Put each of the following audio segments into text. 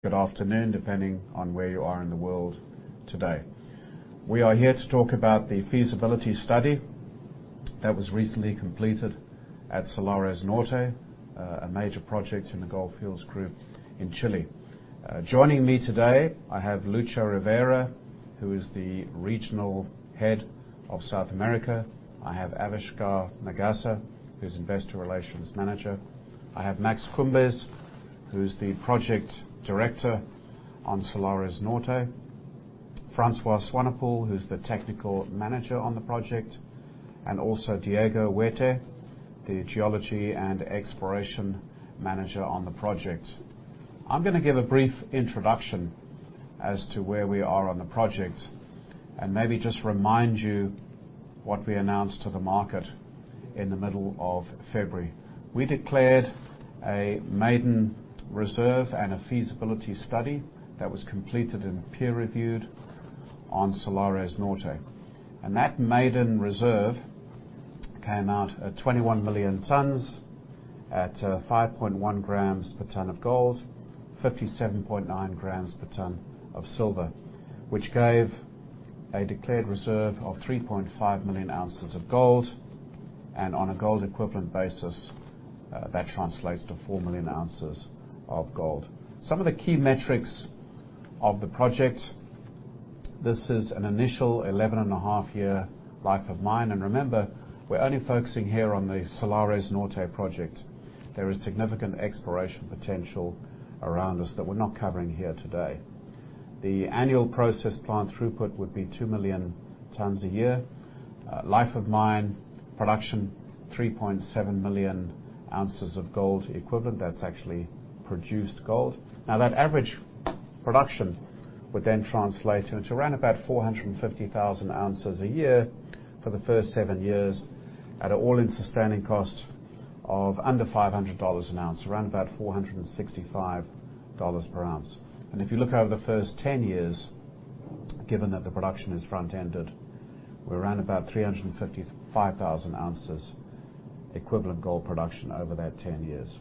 Good afternoon, depending on where you are in the world today. We are here to talk about the feasibility study that was recently completed at Salares Norte, a major project in the Gold Fields group in Chile. Joining me today, I have Luis Rivera, who is the Regional Head of South America. I have Avishkar Nagaser, who's Investor Relations Manager. I have Max Combes, who's the Project Director on Salares Norte. Francois Swanepoel, who's the Technical Manager on the project, and also Diego Huete, the Geology and Exploration Manager on the project. I'm going to give a brief introduction as to where we are on the project, and maybe just remind you what we announced to the market in the middle of February. We declared a maiden reserve and a feasibility study that was completed and peer-reviewed on Salares Norte. That maiden reserve came out at 21 million tons at 5.1 grams per ton of gold, 57.9 grams per ton of silver, which gave a declared reserve of 3.5 million ounces of gold, and on a gold equivalent basis, that translates to 4 million ounces of gold. Some of the key metrics of the project, this is an initial 11 and a half year life of mine. Remember, we're only focusing here on the Salares Norte project. There is significant exploration potential around us that we're not covering here today. The annual process plant throughput would be 2 million tons a year. Life of mine production, 3.7 million ounces of gold equivalent. That's actually produced gold. That average production would then translate into around about 450,000 ounces a year for the first seven years at an all-in sustaining cost of under $500 an ounce, around about $465 per ounce. If you look over the first 10 years, given that the production is front-ended, we're around about 355,000 ounces equivalent gold production over that 10 years.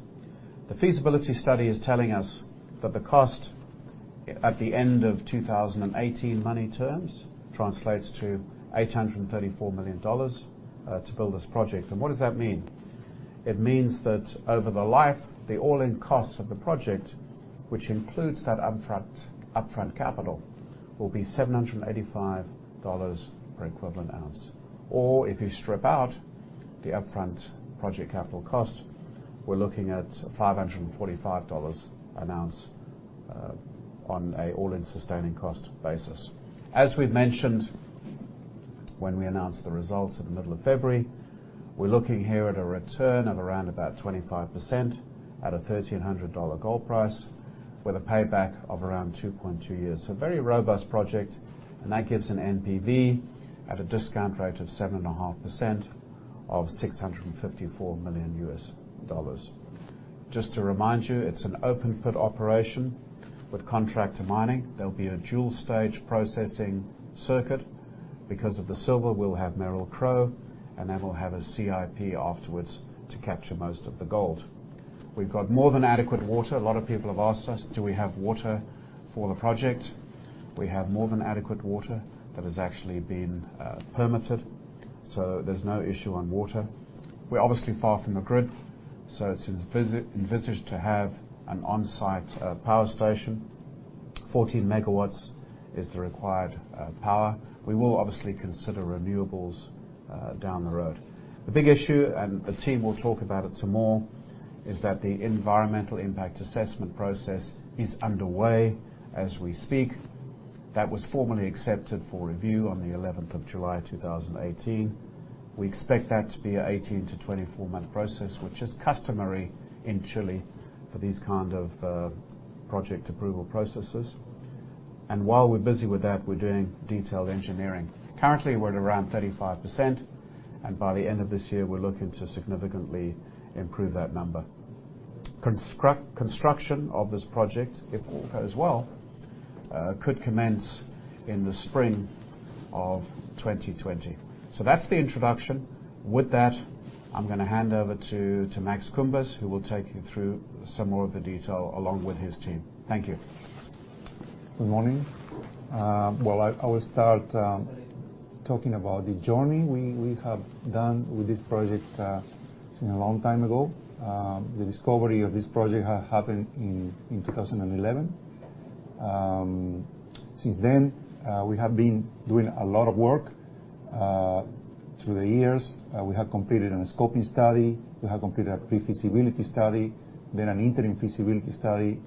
The feasibility study is telling us that the cost at the end of 2018 money terms translates to $834 million to build this project. What does that mean? It means that over the life, the all-in costs of the project, which includes that upfront capital, will be $785 per equivalent ounce. Or if you strip out the upfront project capital cost, we're looking at $545 an ounce on an all-in sustaining cost basis. As we've mentioned when we announced the results in the middle of February, we're looking here at a return of around about 25% at a $1,300 gold price with a payback of around 2.2 years. A very robust project, that gives an NPV at a discount rate of 7.5% of $654 million. Just to remind you, it's an open pit operation with contract to mining. There'll be a dual stage processing circuit. Because of the silver we'll have Merrill-Crowe, then we'll have a CIP afterwards to capture most of the gold. We've got more than adequate water. A lot of people have asked us, do we have water for the project? We have more than adequate water that has actually been permitted, so there's no issue on water. We're obviously far from the grid, so it's envisaged to have an on-site power station. 14 MW is the required power. We will obviously consider renewables down the road. The big issue, the team will talk about it some more, is that the environmental impact assessment process is underway as we speak. That was formally accepted for review on the 11th of July, 2018. We expect that to be an 18-24-month process, which is customary in Chile for these kind of project approval processes. While we're busy with that, we're doing detailed engineering. Currently, we're at around 35%, and by the end of this year, we're looking to significantly improve that number. Construction of this project, if all goes well, could commence in the spring of 2020. That's the introduction. With that, I'm going to hand over to Max Combes, who will take you through some more of the detail along with his team. Thank you. Good morning. I will start talking about the journey we have done with this project. It's been a long time ago. The discovery of this project happened in 2011. Since then, we have been doing a lot of work. Through the years, we have completed a scoping study, we have completed a pre-feasibility study, then an interim feasibility study,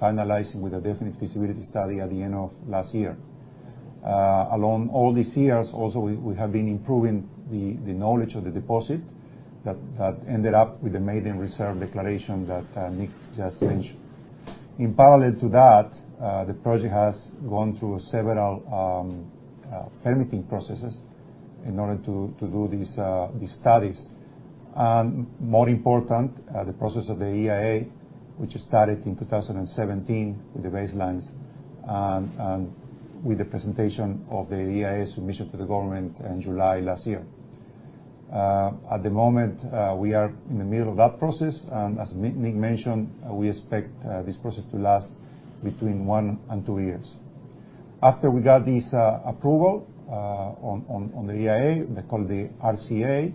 finalizing with a definitive feasibility study at the end of last year. Along all these years also, we have been improving the knowledge of the deposit that ended up with the maiden reserve declaration that Nick just mentioned. In parallel to that, the project has gone through several permitting processes in order to do these studies. More important, the process of the EIA, which started in 2017 with the baselines, with the presentation of the EIA submission to the government in July last year. At the moment, we are in the middle of that process, as Nick mentioned, we expect this process to last between one and two years. After we got this approval on the EIA, they call it the RCA,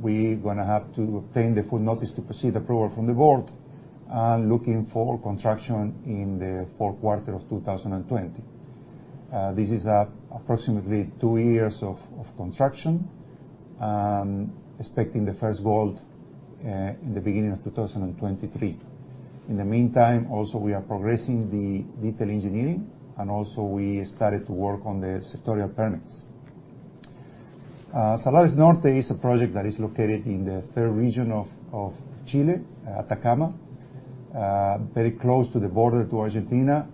we're going to have to obtain the full notice to proceed approval from the board, looking for construction in the fourth quarter of 2020. This is approximately two years of construction, expecting the first gold in the beginning of 2023. In the meantime, also, we are progressing the detail engineering, also we started to work on the sectorial permits. Salares Norte is a project that is located in the third region of Chile, Atacama, very close to the border to Argentina,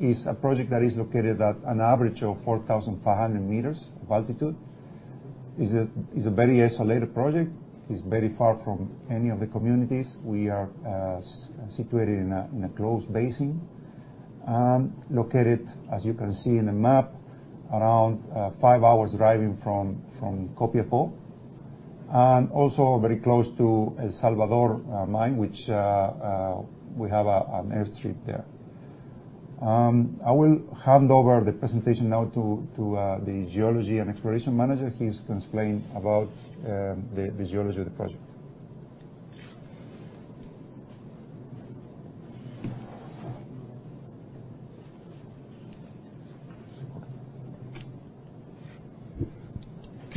is a project that is located at an average of 4,500 meters altitude. It's a very isolated project. It's very far from any of the communities. We are situated in a closed basin, located, as you can see on the map, around five hours driving from Copiapó, also very close to El Salvador mine, which we have an airstrip there. I will hand over the presentation now to the geology and exploration manager. He's going to explain about the geology of the project.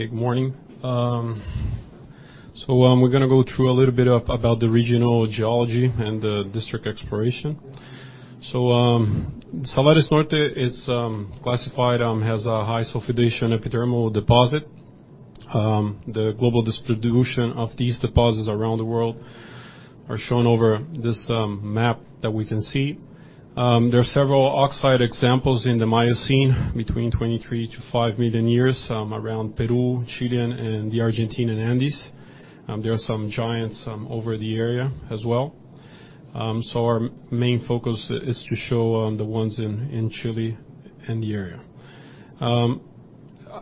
Okay, good morning. We're going to go through a little bit about the regional geology and the district exploration. Salares Norte is classified as a high-sulfidation epithermal deposit. The global distribution of these deposits around the world are shown over this map that we can see. There are several oxide examples in the Miocene, between 23 to 5 million years, around Peru, Chile, and the Argentine Andes. There are some giants over the area as well. Our main focus is to show the ones in Chile and the area.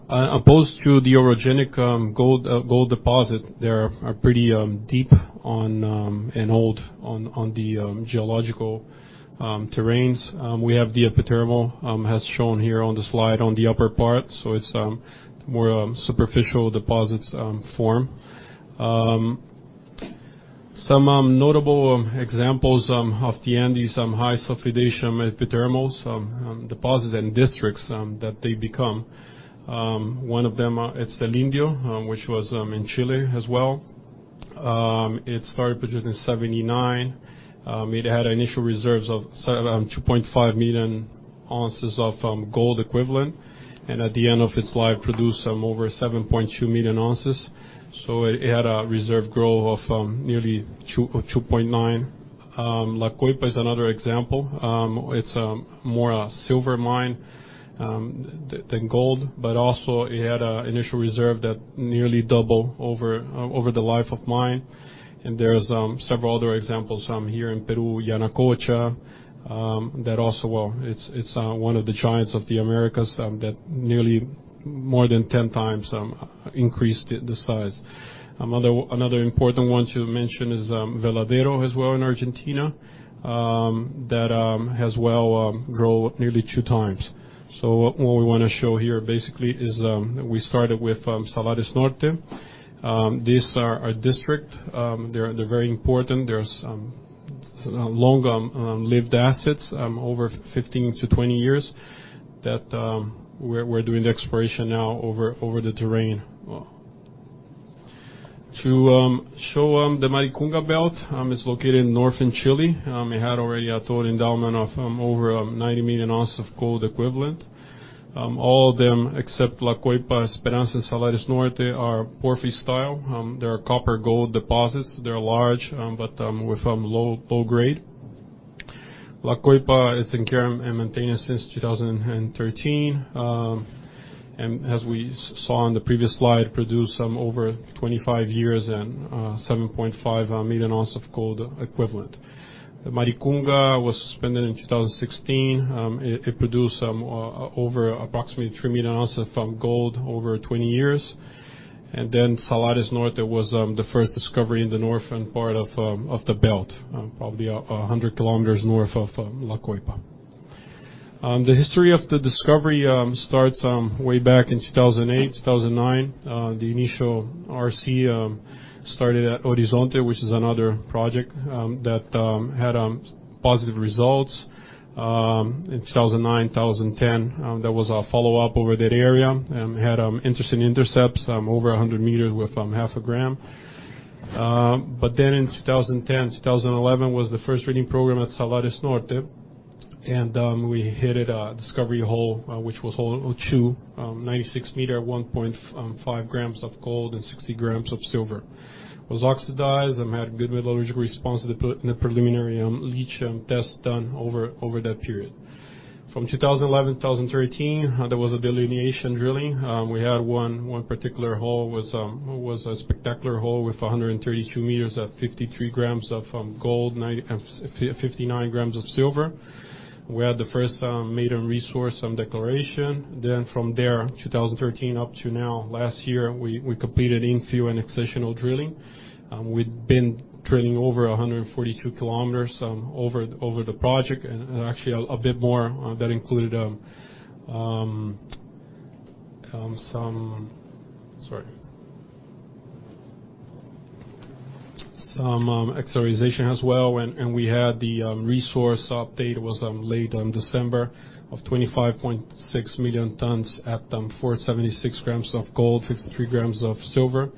Opposed to the orogenic gold deposit, they are pretty deep and old on the geological terrains. We have the epithermal, as shown here on the slide, on the upper part, it's more superficial deposits form. Some notable examples of the Andes, some high-sulfidation epithermal deposits and districts that they become. One of them is El Indio, which was in Chile as well. It started producing in 1979. It had initial reserves of 2.5 million ounces of gold equivalent, and at the end of its life, produced over 7.2 million ounces. It had a reserve growth of nearly 2.9. La Coipa is another example. It's more a silver mine than gold, it had an initial reserve that nearly double over the life of mine. There's several other examples here in Peru, Yanacocha. That also, it's one of the giants of the Americas that nearly more than 10 times increased the size. Another important one to mention is Veladero as well in Argentina. That as well grow nearly two times. What we want to show here basically is we started with Salares Norte. These are our districts. They're very important. They're long-lived assets, over 15 to 20 years that we're doing the exploration now over the terrain. To show the Maricunga Belt. It's located in northern Chile. It had already a total endowment of over 90 million ounces of gold equivalent. All of them except La Coipa, Esperanza, and Salares Norte are porphyry style. They are copper-gold deposits. They're large, but with low grade. La Coipa is in care and maintenance since 2013. As we saw on the previous slide, produced over 25 years and 7.5 million ounces of gold equivalent. The Maricunga was suspended in 2016. It produced over approximately three million ounces of gold over 20 years. Salares Norte was the first discovery in the northern part of the belt, probably 100 km north of La Coipa. The history of the discovery starts way back in 2008, 2009. The initial RC started at Horizonte, which is another project that had positive results. In 2009, 2010, there was a follow-up over that area and had interesting intercepts over 100 meters with half a gram. In 2010, 2011 was the first drilling program at Salares Norte, and we hit a discovery hole, which was hole 02, 96 meters, 1.5 grams of gold and 60 grams of silver. It was oxidized and had good metallurgical response to the preliminary leach test done over that period. From 2011 to 2013, there was a delineation drilling. We had one particular hole, was a spectacular hole with 132 meters at 53 grams of gold, and 59 grams of silver. We had the first maiden resource declaration. From there, 2013 up to now, last year, we completed infill and exceptional drilling. We've been drilling over 142 km over the project and actually a bit more that included some acceleration as well. We had the resource update, was late December of 25.6 million tonnes at 4.76 grams of gold, 53 grams of silver.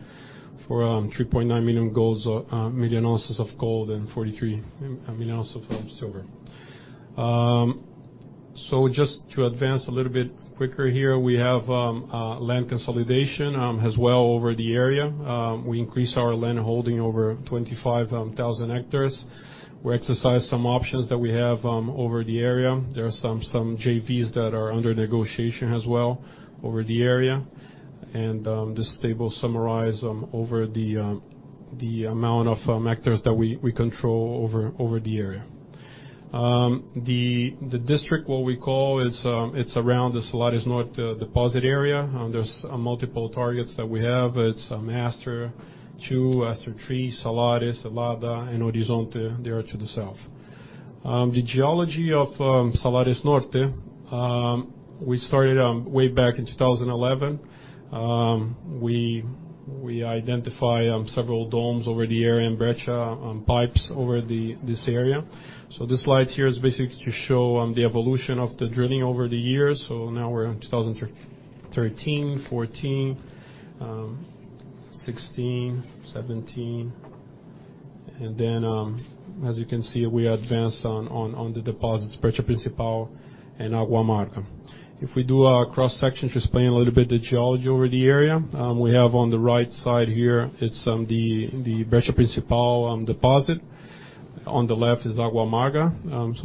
For 3.9 million ounces of gold and 43 million ounces of silver. Just to advance a little bit quicker here. We have land consolidation, as well over the area. We increased our land holding over 25,000 hectares. We exercise some options that we have over the area. There are some JVs that are under negotiation as well over the area. This table summarizes over the amount of hectares that we control over the area. The district, what we call, it's around the Salares Norte deposit area. There are multiple targets that we have. It's Aster two, Aster three, Salares, Salada, and Horizonte, there to the south. The geology of Salares Norte, we started way back in 2011. We identify several domes over the area and breccia pipes over this area. This slide here is basically to show the evolution of the drilling over the years. Now we're in 2013, 2014, 2016, 2017. As you can see, we advanced on the deposits Brecha Principal and Agua Amarga. If we do a cross-section to explain a little bit the geology over the area. We have on the right side here, it's the Brecha Principal deposit. On the left is Agua Amarga.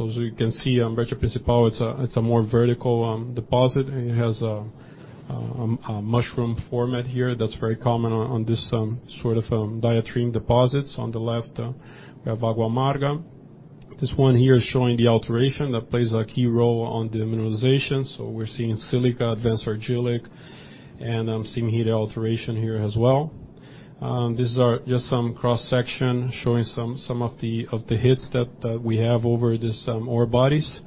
As we can see, Brecha Principal, it's a more vertical deposit, and it has a mushroom format here that's very common on this sort of diatreme deposits. On the left, we have Agua Amarga. This one here is showing the alteration that plays a key role on the mineralization. We're seeing silica, dense argillic and steam heat alteration here as well. These are just some cross-section showing some of the hits that we have over these ore bodies.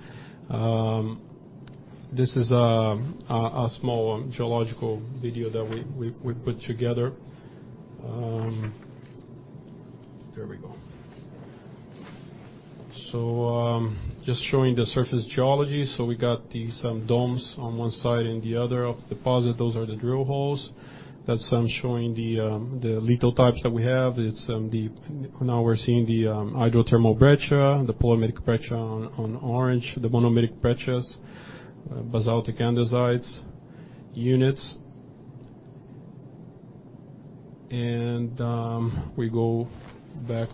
This is a small geological video that we put together. There we go. Just showing the surface geology. We got these domes on one side and the other of the deposit. Those are the drill holes. That's showing the lithotypes that we have. Now we're seeing the hydrothermal breccia, the polymict breccia on orange, the monomict breccias, basaltic andesites units. We go back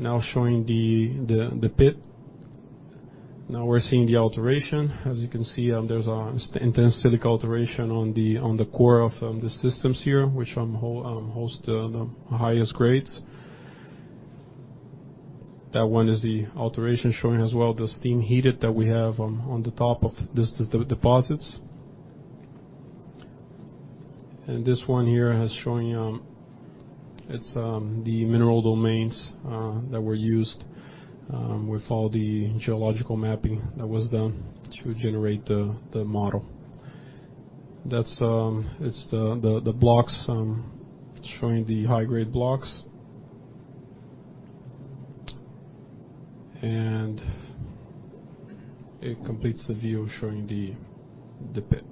now showing the pit. Now we're seeing the alteration. As you can see, there's an intense silica alteration on the core of the systems here, which host the highest grades. That one is the alteration showing as well, the steam heated that we have on the top of the deposits. This one here is showing the mineral domains that were used with all the geological mapping that was done to generate the model. It's the blocks showing the high-grade blocks. It completes the view showing the pit.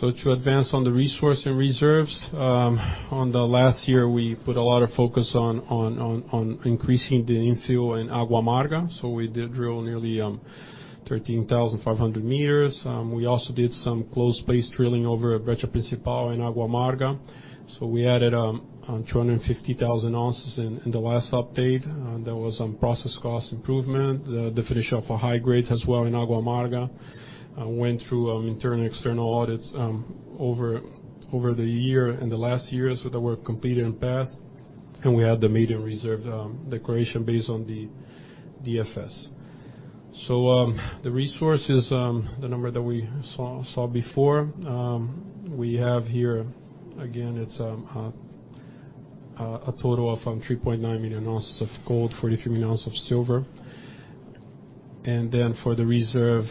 To advance on the resource and reserves. On the last year, we put a lot of focus on increasing the infill in Agua Amarga. We did drill nearly 13,500 meters. We also did some close space drilling over Brecha Principal and Agua Amarga. We added 250,000 ounces in the last update. There was process cost improvement, the finish off of high grades as well in Agua Amarga. Went through internal and external audits over the year, in the last year. They were completed and passed, and we had the maiden reserve declaration based on the DFS. The resource is the number that we saw before. We have here again, it's a total of 3.9 million ounces of gold, 43 million ounces of silver. For the reserve,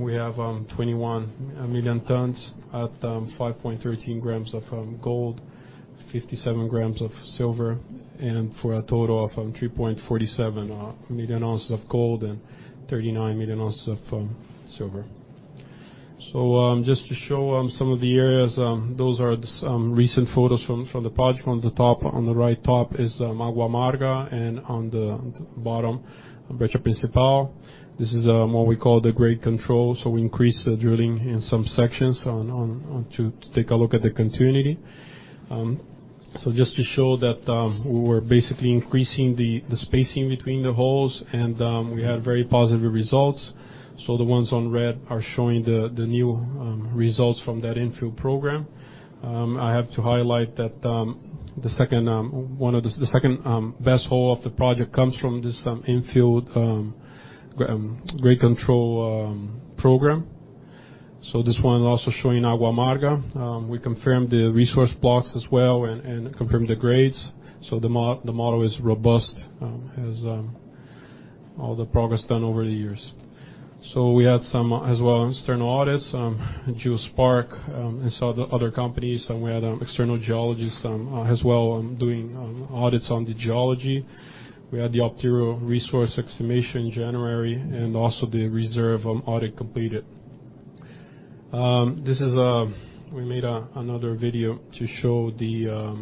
we have 21 million tons at 5.13 grams of gold, 57 grams of silver, for a total of 3.47 million ounces of gold and 39 million ounces of silver. Just to show some of the areas. Those are recent photos from the project. On the right top is Agua Amarga and on the bottom, Brecha Principal. This is what we call the grade control. We increase the drilling in some sections to take a look at the continuity. Just to show that we're basically increasing the spacing between the holes, and we had very positive results. The ones on red are showing the new results from that infill program. I have to highlight that the second best hole of the project comes from this infill grade control program. This one also showing Agua Amarga. We confirmed the resource blocks as well and confirmed the grades. The model is robust, as all the progress done over the years. We had some, as well, external audits, GeoSpark, and some other companies. We had external geologists as well doing audits on the geology. We had the Optiro resource estimation in January, also the reserve audit completed. We made another video to show the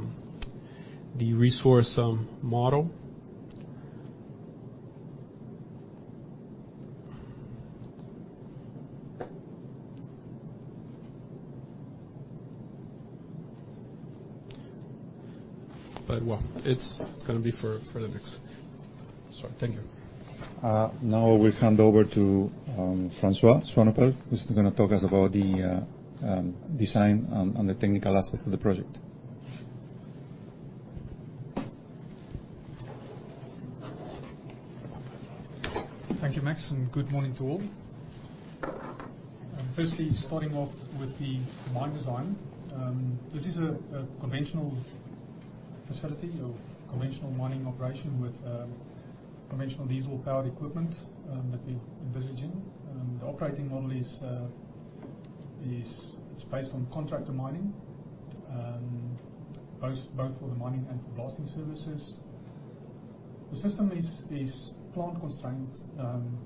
resource model. Well, it's going to be for the next. Sorry. Thank you. Now we hand over to Francois Swanepoel, who's going to talk us about the design on the technical aspect of the project. Thank you, Max, and good morning to all. Firstly, starting off with the mine design. This is a conventional facility or conventional mining operation with conventional diesel-powered equipment that we're envisaging. The operating model is based on contractor mining, both for the mining and for blasting services. The system is plant constrained.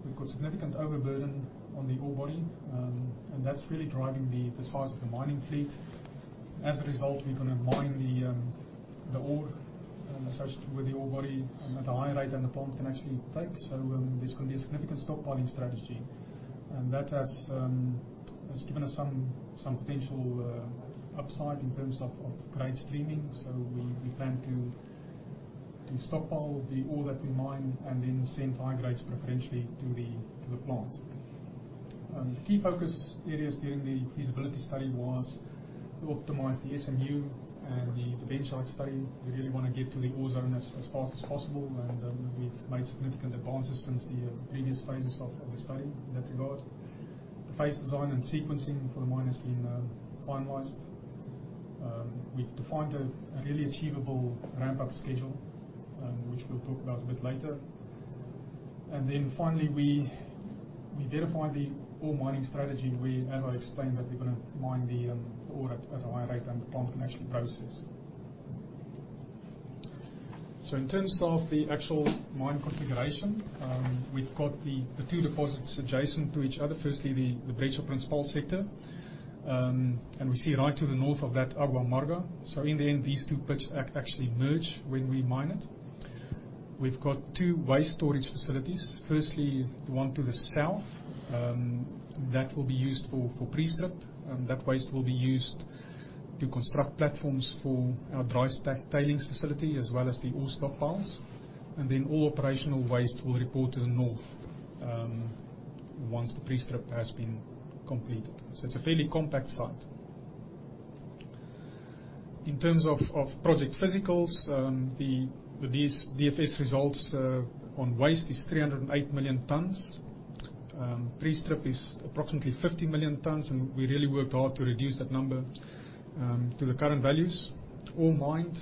We've got significant overburden on the ore body, that's really driving the size of the mining fleet. As a result, we're going to mine the ore associated with the ore body at a higher rate than the plant can actually take. There's going to be a significant stockpiling strategy. That has given us some potential upside in terms of grade streaming. We plan to stockpile the ore that we mine and then send high grades preferentially to the plant. Key focus areas during the feasibility study was to optimize the SMU and the bench height study. We really want to get to the ore zone as fast as possible, and we've made significant advances since the previous phases of the study in that regard. The phase design and sequencing for the mine has been finalized. We've defined a really achievable ramp-up schedule, which we'll talk about a bit later. Finally, we verified the ore mining strategy where, as I explained, that we're going to mine the ore at a higher rate than the plant can actually process. In terms of the actual mine configuration, we've got the two deposits adjacent to each other. Firstly, the Brecha Principal sector. We see right to the north of that, Agua Amarga. In the end, these two pits actually merge when we mine it. We've got two waste storage facilities. Firstly, the one to the south, that will be used for pre-strip. That waste will be used to construct platforms for our dry stack tailings facility, as well as the ore stockpiles. All operational waste will report to the north once the pre-strip has been completed. It's a fairly compact site. In terms of project physicals, the DFS results on waste is 308 million tons. Pre-strip is approximately 50 million tons, and we really worked hard to reduce that number to the current values. Ore mined,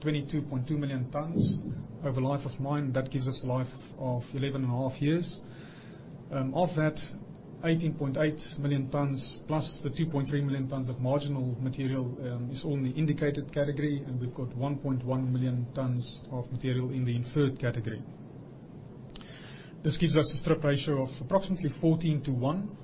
22.2 million tons. Over the life of mine, that gives us a life of 11.5 years. Of that, 18.8 million tons plus the 2.3 million tons of marginal material is all in the indicated category, and we've got 1.1 million tons of material in the inferred category. This gives us a strip ratio of approximately 14 to 1.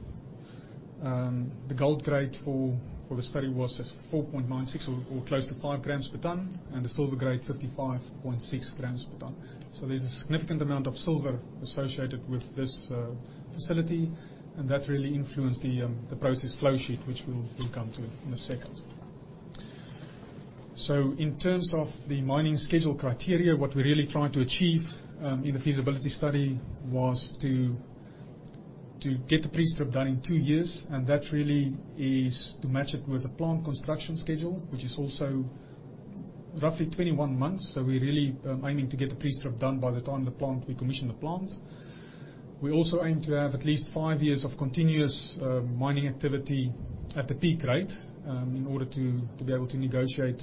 The gold grade for the study was 4.96 or close to five grams per ton, and the silver grade, 55.6 grams per ton. There's a significant amount of silver associated with this facility, and that really influenced the process flow sheet, which we'll come to in a second. In terms of the mining schedule criteria, what we really tried to achieve in the feasibility study was to get the pre-strip done in two years, and that really is to match it with the plant construction schedule, which is also roughly 21 months. We're really aiming to get the pre-strip done by the time we commission the plant. We also aim to have at least five years of continuous mining activity at the peak rate in order to be able to negotiate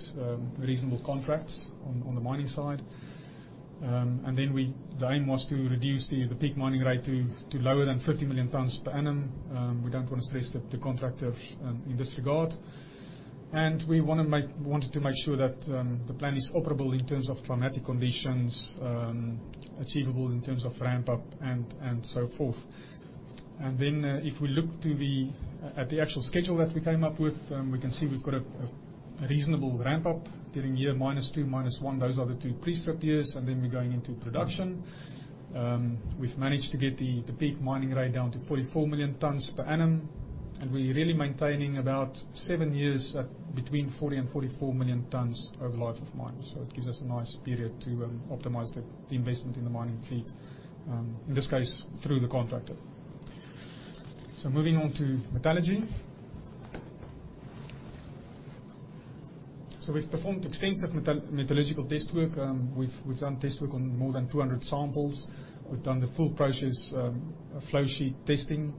reasonable contracts on the mining side. The aim was to reduce the peak mining rate to lower than 50 million tons per annum. We don't want to stress the contractor in this regard. We wanted to make sure that the plan is operable in terms of climatic conditions, achievable in terms of ramp up, and so forth. If we look at the actual schedule that we came up with, we can see we've got a reasonable ramp-up during year minus two, minus one. Those are the two pre-strip years, and then we're going into production. We've managed to get the peak mining rate down to 44 million tons per annum, we're really maintaining about 7 years at between 40 and 44 million tons over the life of mine. It gives us a nice period to optimize the investment in the mining fleet. In this case, through the contractor. Moving on to metallurgy. We've performed extensive metallurgical test work. We've done test work on more than 200 samples. We've done the full process of flow sheet testing.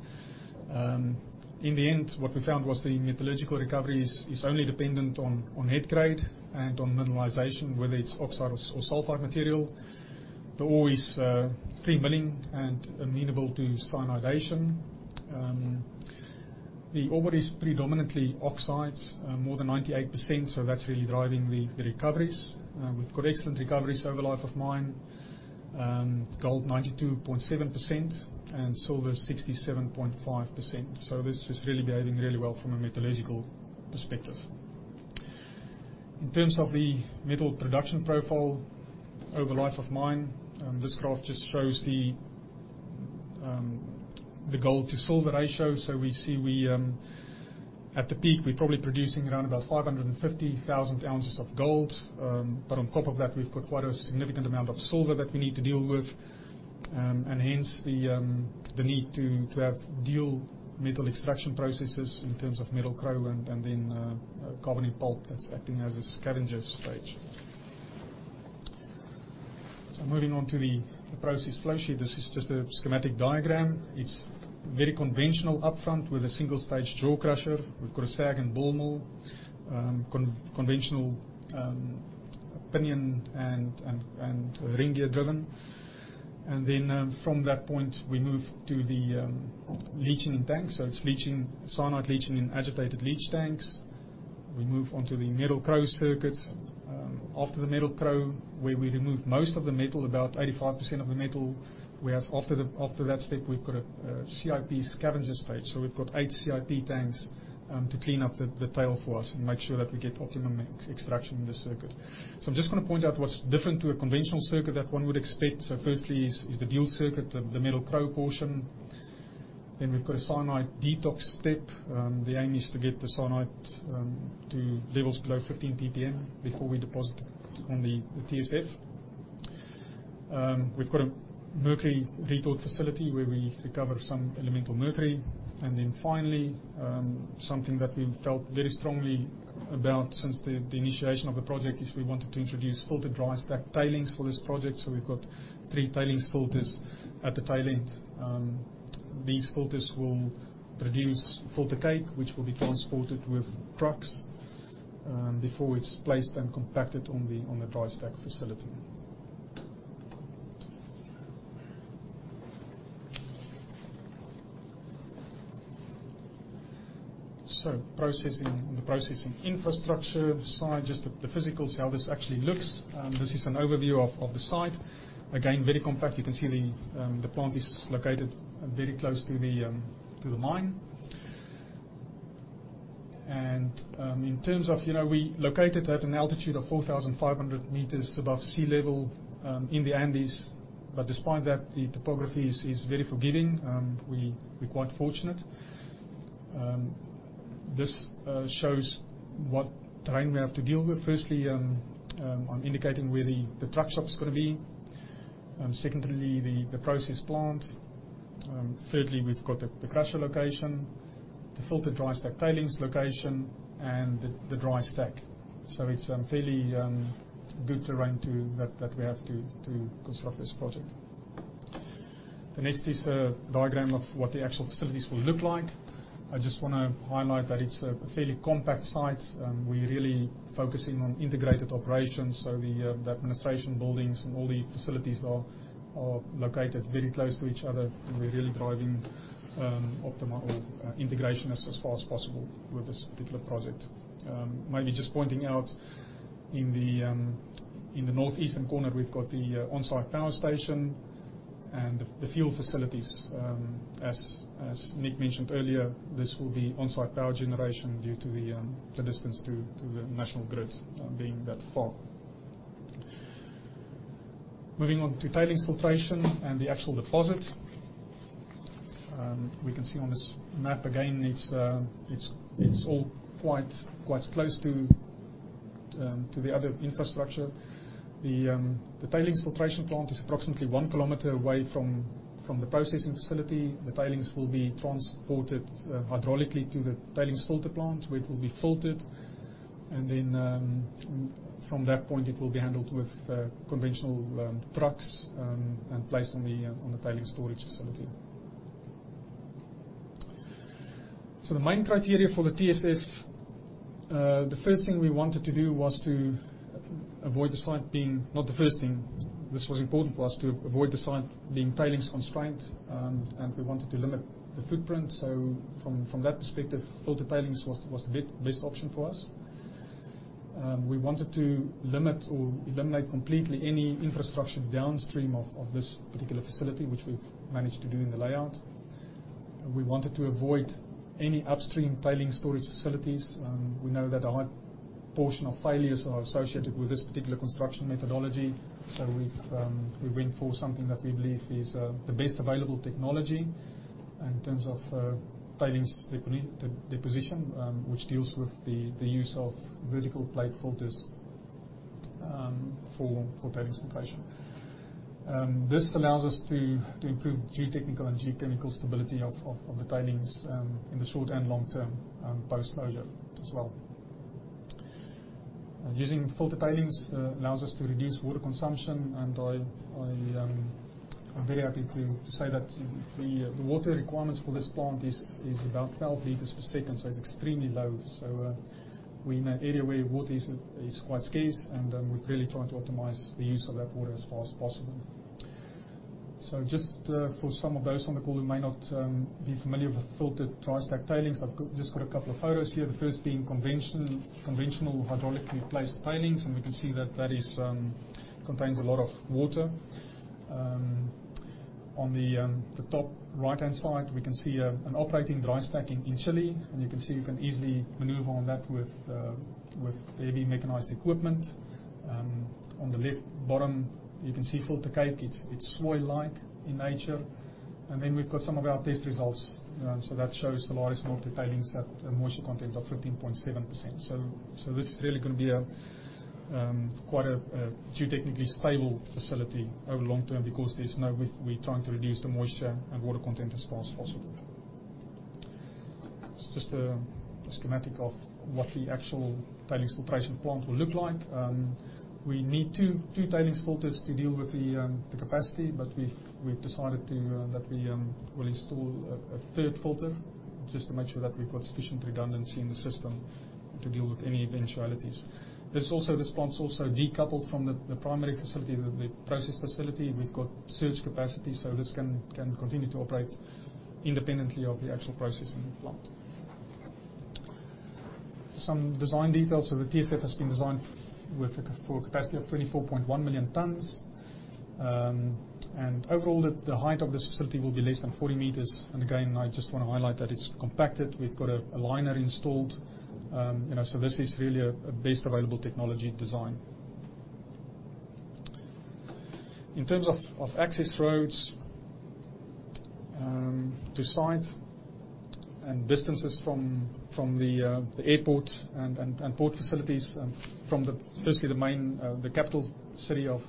In the end, what we found was the metallurgical recovery is only dependent on head grade and on mineralization, whether it's oxide or sulfide material. The ore is free milling and amenable to cyanidation. The ore body is predominantly oxides, more than 98%, that's really driving the recoveries. We've got excellent recoveries over the life of mine. Gold 92.7% and silver 67.5%. This is really behaving really well from a metallurgical perspective. In terms of the metal production profile over the life of mine, this graph just shows the gold to silver ratio. We see at the peak, we're probably producing around about 550,000 ounces of gold. On top of that, we've got quite a significant amount of silver that we need to deal with. Hence the need to have dual metal extraction processes in terms of Merrill-Crowe and then carbon in pulp that's acting as a scavenger stage. Moving on to the process flow sheet. This is just a schematic diagram. It's very conventional upfront with a single-stage jaw crusher. We've got a SAG and ball mill, conventional pinion and ring gear driven. From that point, we move to the leaching tanks. It's cyanide leaching in agitated leach tanks. We move on to the Merrill-Crowe circuit. After the Merrill-Crowe, where we remove most of the metal, about 85% of the metal, we have after that step, we've got a CIP scavenger stage. We've got eight CIP tanks to clean up the tail for us and make sure that we get optimum extraction in the circuit. I'm just going to point out what's different to a conventional circuit that one would expect. Firstly is the dual circuit, the Merrill-Crowe portion. We've got a cyanide detox step. The aim is to get the cyanide to levels below 15 ppm before we deposit on the TSF. We've got a mercury retort facility where we recover some elemental mercury. Finally, something that we've felt very strongly about since the initiation of the project is we wanted to introduce filter dry stack tailings for this project. We've got three tailings filters at the tail end. These filters will produce filter cake, which will be transported with trucks before it's placed and compacted on the dry stack facility. Processing infrastructure side, just the physical, see how this actually looks. This is an overview of the site. Again, very compact. You can see the plant is located very close to the mine. In terms of, we're located at an altitude of 4,500 meters above sea level in the Andes. Despite that, the topography is very forgiving. We're quite fortunate. This shows what terrain we have to deal with. Firstly, I'm indicating where the truck shop is going to be. Secondly, the process plant. Thirdly, we've got the crusher location, the filter dry stack tailings location, and the dry stack. It's fairly good terrain that we have to construct this project. The next is a diagram of what the actual facilities will look like. I just want to highlight that it's a fairly compact site. We're really focusing on integrated operations. The administration buildings and all the facilities are located very close to each other, and we're really driving integration as far as possible with this particular project. Maybe just pointing out in the northeastern corner, we've got the on-site power station and the fuel facilities. As Nick mentioned earlier, this will be on-site power generation due to the distance to the national grid being that far. Moving on to tailings filtration and the actual deposit. We can see on this map again, it's all quite close to the other infrastructure. The tailings filtration plant is approximately one kilometer away from the processing facility. The tailings will be transported hydraulically to the tailings filter plant, where it will be filtered, and then from that point, it will be handled with conventional trucks and placed on the tailings storage facility. The main criteria for the TSF, the first thing we wanted to do was to avoid the site being not the first thing. This was important for us to avoid the site being tailings constrained, and we wanted to limit the footprint. From that perspective, filter tailings was the best option for us. We wanted to limit or eliminate completely any infrastructure downstream of this particular facility, which we've managed to do in the layout. We wanted to avoid any upstream tailing storage facilities. We know that a high portion of failures are associated with this particular construction methodology. We've reinforced something that we believe is the best available technology in terms of tailings deposition, which deals with the use of vertical plate filters for tailings filtration. This allows us to improve geotechnical and geochemical stability of the tailings in the short and long term, post-closure as well. Using filtered tailings allows us to reduce water consumption, and I'm very happy to say that the water requirements for this plant is about 12 liters per second, it's extremely low. We're in an area where water is quite scarce, and we're really trying to optimize the use of that water as far as possible. Just for some of those on the call who may not be familiar with filtered dry stack tailings, I've just got a couple of photos here, the first being conventional hydraulically placed tailings. We can see that contains a lot of water. On the top right-hand side, we can see an operating dry stack in Chile, and you can see you can easily maneuver on that with heavy mechanized equipment. On the left bottom, you can see filter cake. It's soil-like in nature. We've got some of our test results. That shows Salares Norte tailings at a moisture content of 15.7%. This is really going to be quite a geotechnically stable facility over long term because we're trying to reduce the moisture and water content as far as possible. It's just a schematic of what the actual tailings filtration plant will look like. We need two tailings filters to deal with the capacity. We've decided that we will install a third filter just to make sure that we've got sufficient redundancy in the system to deal with any eventualities. This plant's also decoupled from the primary facility, the process facility. We've got surge capacity, so this can continue to operate independently of the actual processing plant. Some design details of the TSF has been designed for a capacity of 24.1 million tons. Overall, the height of this facility will be less than 40 meters. Again, I just want to highlight that it's compacted. We've got a liner installed. This is really a best available technology design. In terms of access roads to sites and distances from the airport and port facilities from firstly the capital city of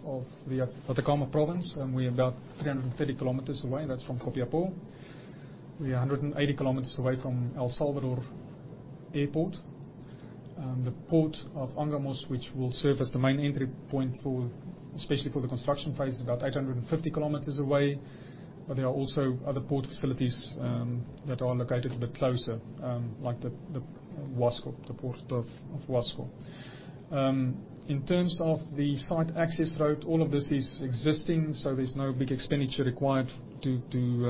the Atacama Region, we're about 330 kilometers away. That's from Copiapó. We are 180 kilometers away from El Salvador Airport. The port of Puerto Angamos, which will serve as the main entry point, especially for the construction phase, is about 850 kilometers away. There are also other port facilities that are located a bit closer, like the port of Huasco. In terms of the site access route, all of this is existing, so there's no big expenditure required to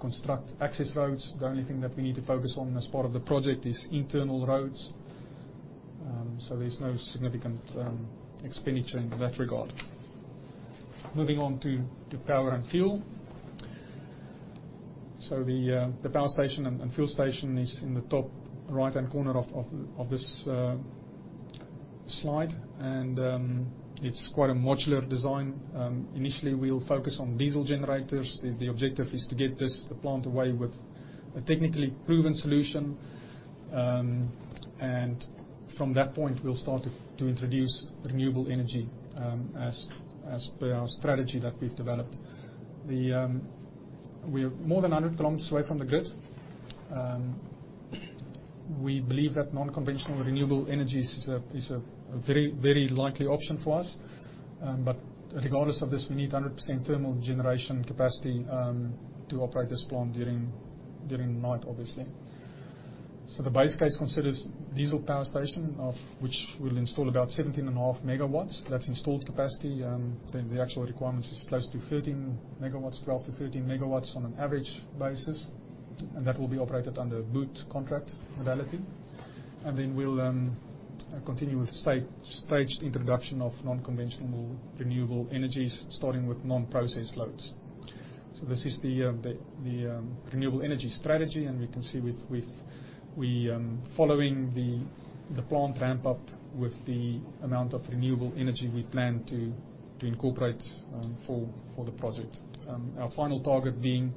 construct access routes. The only thing that we need to focus on as part of the project is internal roads. There's no significant expenditure in that regard. Moving on to power and fuel. The power station and fuel station is in the top right-hand corner of this slide, and it's quite a modular design. Initially, we'll focus on diesel generators. The objective is to get this plant away with a technically proven solution. From that point, we'll start to introduce renewable energy as per our strategy that we've developed. We are more than 100 kilometers away from the grid. We believe that non-conventional renewable energy is a very likely option for us. Regardless of this, we need 100% thermal generation capacity to operate this plant during the night, obviously. The base case considers diesel power station, which we'll install about 17.5 MW. That's installed capacity. Then the actual requirements is close to 13 MW, 12-13 MW on an average basis, and that will be operated under a BOOT contract modality. Then we'll continue with staged introduction of non-conventional renewable energies, starting with non-process loads. This is the renewable energy strategy, and we can see following the plant ramp-up with the amount of renewable energy we plan to incorporate for the project. Our final target being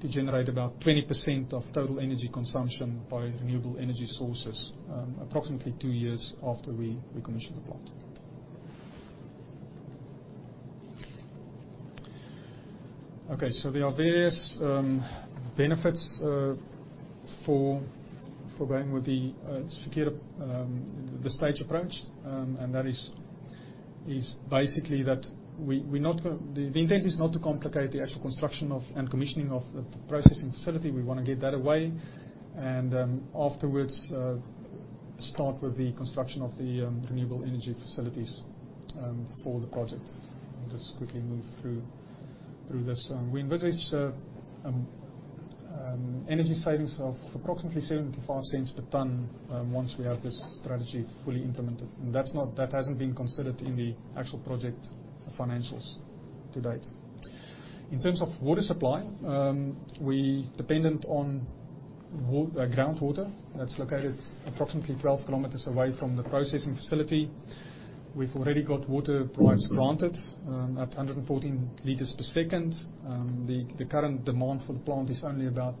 to generate about 20% of total energy consumption by renewable energy sources approximately two years after we commission the plant. There are various benefits for going with the staged approach, and that is basically that the intent is not to complicate the actual construction and commissioning of the processing facility. We want to get that away. Afterwards, start with the construction of the renewable energy facilities for the project. I'll just quickly move through this. We envisage energy savings of approximately $0.75 per tonne once we have this strategy fully implemented. That hasn't been considered in the actual project financials to date. In terms of water supply, we're dependent on groundwater that's located approximately 12 kilometers away from the processing facility. We've already got water rights granted at 114 liters per second. The current demand for the plant is only about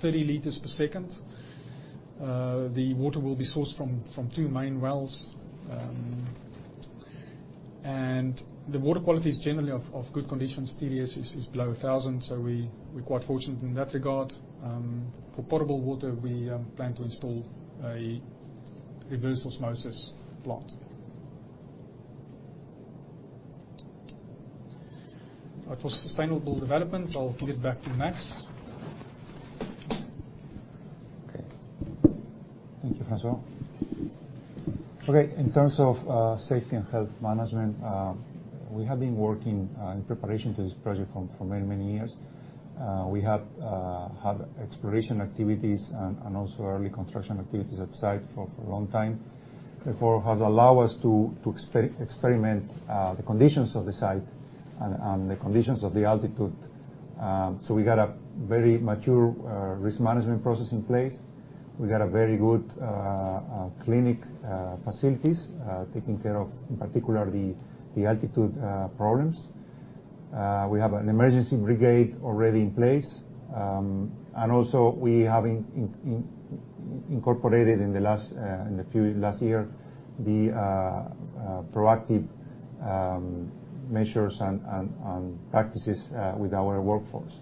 30 liters per second. The water will be sourced from two main wells. The water quality is generally of good condition. TDS is below 1,000, so we're quite fortunate in that regard. For potable water, we plan to install a reverse osmosis plant. For sustainable development, I'll give it back to Max. Thank you, Francois. In terms of safety and health management, we have been working in preparation for this project for many, many years. We have had exploration activities and also early construction activities at site for a long time. Therefore, it has allowed us to experiment the conditions of the site and the conditions of the altitude. We got a very mature risk management process in place. We got a very good clinic facilities taking care of, in particular, the altitude problems. We have an emergency brigade already in place, and also we have incorporated in the last year the proactive measures and practices with our workforce.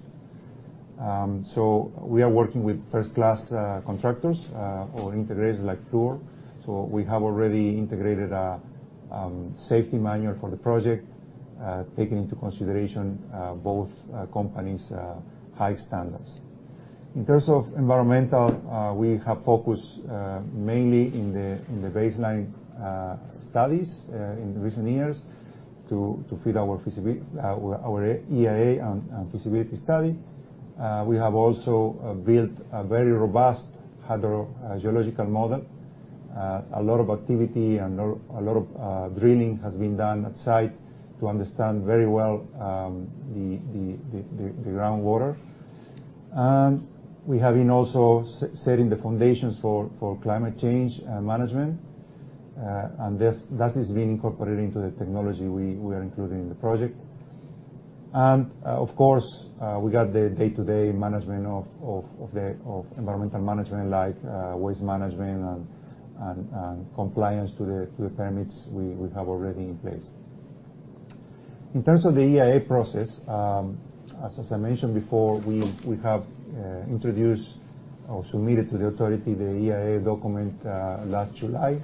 We are working with first-class contractors or integrators like Fluor. We have already integrated a safety manual for the project, taking into consideration both companies' high standards. In terms of environmental, we have focused mainly in the baseline studies in recent years to feed our EIA and feasibility study. We have also built a very robust hydrogeological model. A lot of activity and a lot of drilling has been done at site to understand very well the groundwater. We have been also setting the foundations for climate change management. That is being incorporated into the technology we are including in the project. Of course, we got the day-to-day management of environmental management like waste management and compliance to the permits we have already in place. In terms of the EIA process, as I mentioned before, we have introduced or submitted to the authority the EIA document last July.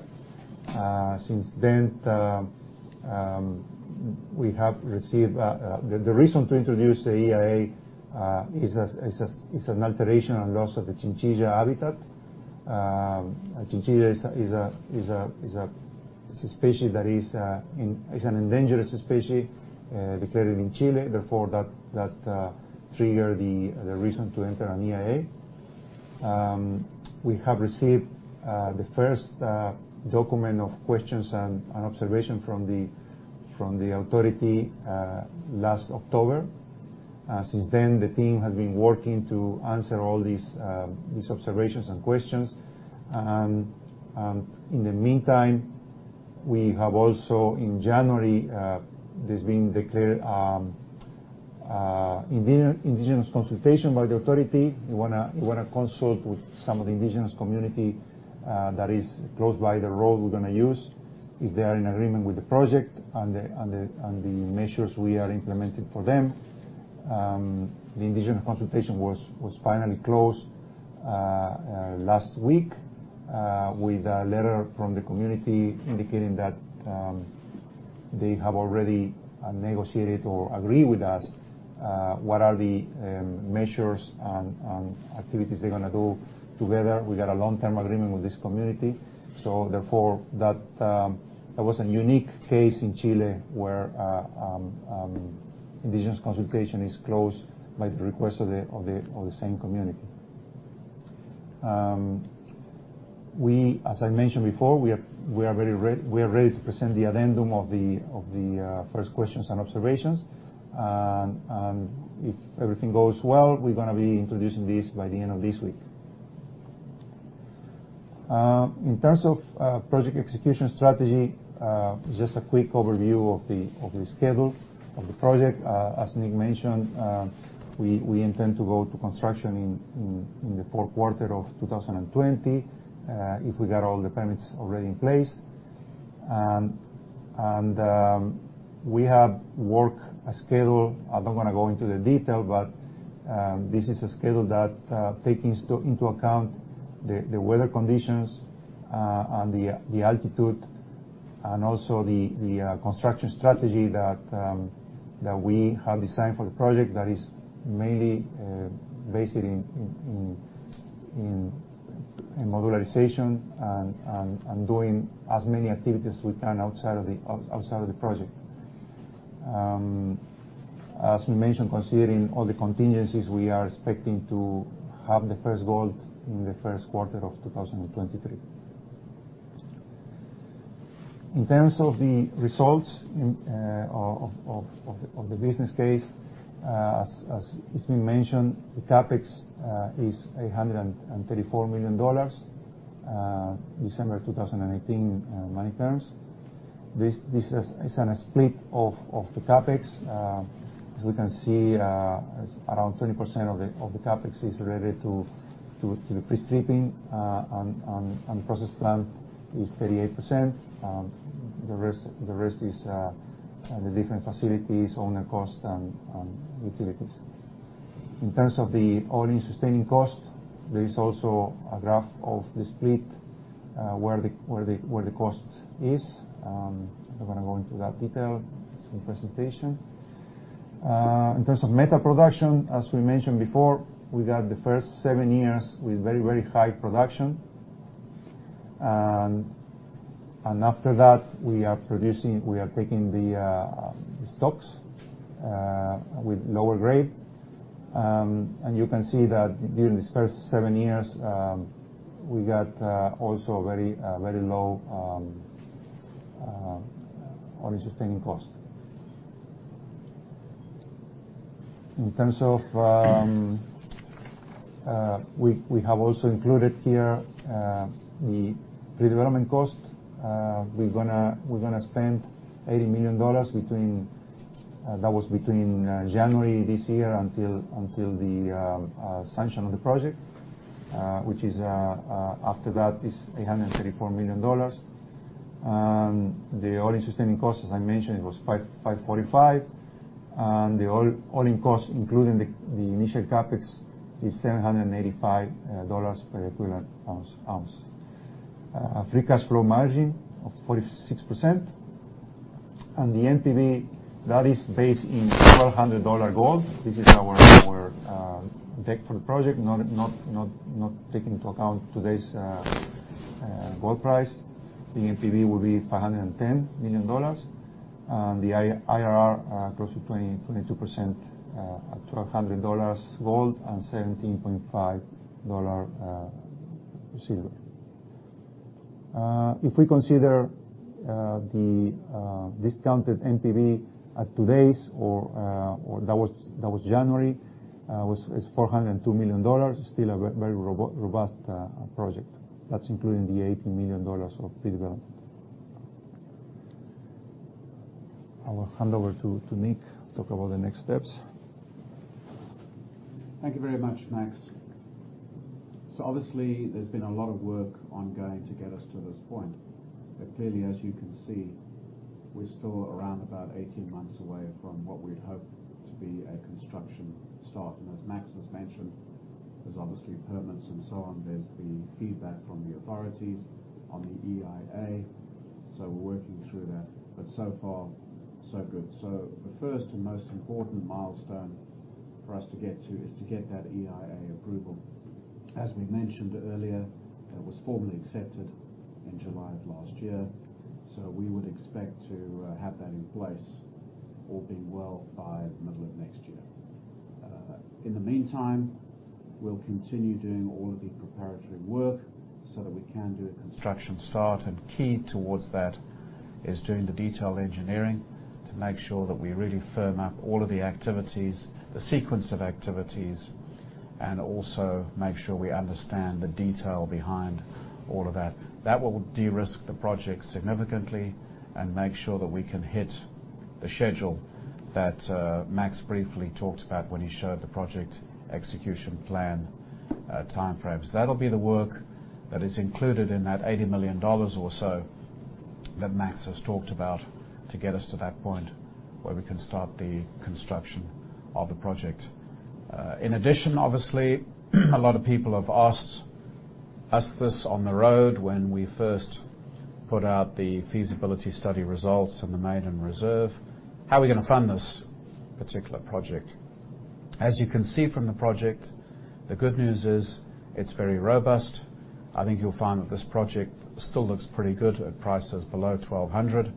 The reason to introduce the EIA is an alteration and loss of the chinchilla habitat. A chinchilla is a species that is an endangered species declared in Chile. Therefore, that trigger the reason to enter an EIA. We have received the first document of questions and observation from the authority last October. Since then, the team has been working to answer all these observations and questions. In the meantime, we have also in January, this been declared indigenous consultation by the authority. We want to consult with some of the indigenous community that is close by the road we're going to use, if they are in agreement with the project and the measures we are implementing for them. The indigenous consultation was finally closed last week with a letter from the community indicating that they have already negotiated or agree with us what are the measures and activities they're going to do together. We got a long-term agreement with this community. Therefore, that was a unique case in Chile where indigenous consultation is closed by the request of the same community. We, as I mentioned before, are ready to present the addendum of the first questions and observations. If everything goes well, we're going to be introducing this by the end of this week. In terms of project execution strategy, just a quick overview of the schedule of the project. As Nick mentioned, we intend to go to construction in the fourth quarter of 2020 if we got all the permits already in place. We have work schedule. I don't want to go into the detail, but this is a schedule that take into account the weather conditions and the altitude and also the construction strategy that we have designed for the project that is mainly based in modularization and doing as many activities we can outside of the project. As we mentioned, considering all the contingencies, we are expecting to have the first gold in the first quarter of 2023. In terms of the results of the business case, as has been mentioned, the CapEx is $834 million, December 2018 money terms. This is on a split of the CapEx. As we can see, around 20% of the CapEx is related to the pre-stripping, and the process plant is 38%. The rest is the different facilities, owner cost, and utilities. In terms of the all-in sustaining cost, there is also a graph of the split, where the cost is. I'm not going to go into that detail. It's in the presentation. In terms of metal production, as we mentioned before, we got the first seven years with very high production. After that, we are taking the stocks with lower grade. You can see that during these first seven years, we got also very low all-in sustaining cost. We have also included here the pre-development cost. We're going to spend $80 million. That was between January this year until the sanction of the project, which after that is $834 million. The all-in sustaining cost, as I mentioned, was $545, and the all-in cost, including the initial CapEx, is $785 per equivalent ounce. A free cash flow margin of 46%, and the NPV, that is based in $1,200 gold. This is our deck for the project, not taking into account today's gold price. The NPV will be $510 million. The IRR close to 22% at $1,200 gold and $17.5 silver. If we consider the discounted NPV at today's, that was January, was $402 million. Still a very robust project. That's including the $80 million of pre-development. I will hand over to Nick to talk about the next steps. Thank you very much, Max. Obviously, there's been a lot of work ongoing to get us to this point. Clearly, as you can see, we're still around about 18 months away from what we'd hope to be a construction start. As Max has mentioned, there's obviously permits and so on. There's the feedback from the authorities on the EIA. We're working through that. So far, so good. The first and most important milestone for us to get to is to get that EIA approval. As we mentioned earlier, it was formally accepted in July of last year, we would expect to have that in place all being well by the middle of next year. In the meantime, we'll continue doing all of the preparatory work so that we can do a construction start. Key towards that is doing the detailed engineering to make sure that we really firm up all of the activities, the sequence of activities, and also make sure we understand the detail behind all of that. That will de-risk the project significantly and make sure that we can hit the schedule that Max briefly talked about when he showed the project execution plan timeframes. That'll be the work that is included in that $80 million or so that Max has talked about to get us to that point where we can start the construction of the project. In addition, obviously, a lot of people have asked us this on the road when we first put out the feasibility study results and the maiden reserve. How are we going to fund this particular project? As you can see from the project, the good news is it's very robust. I think you'll find that this project still looks pretty good at prices below $1,200.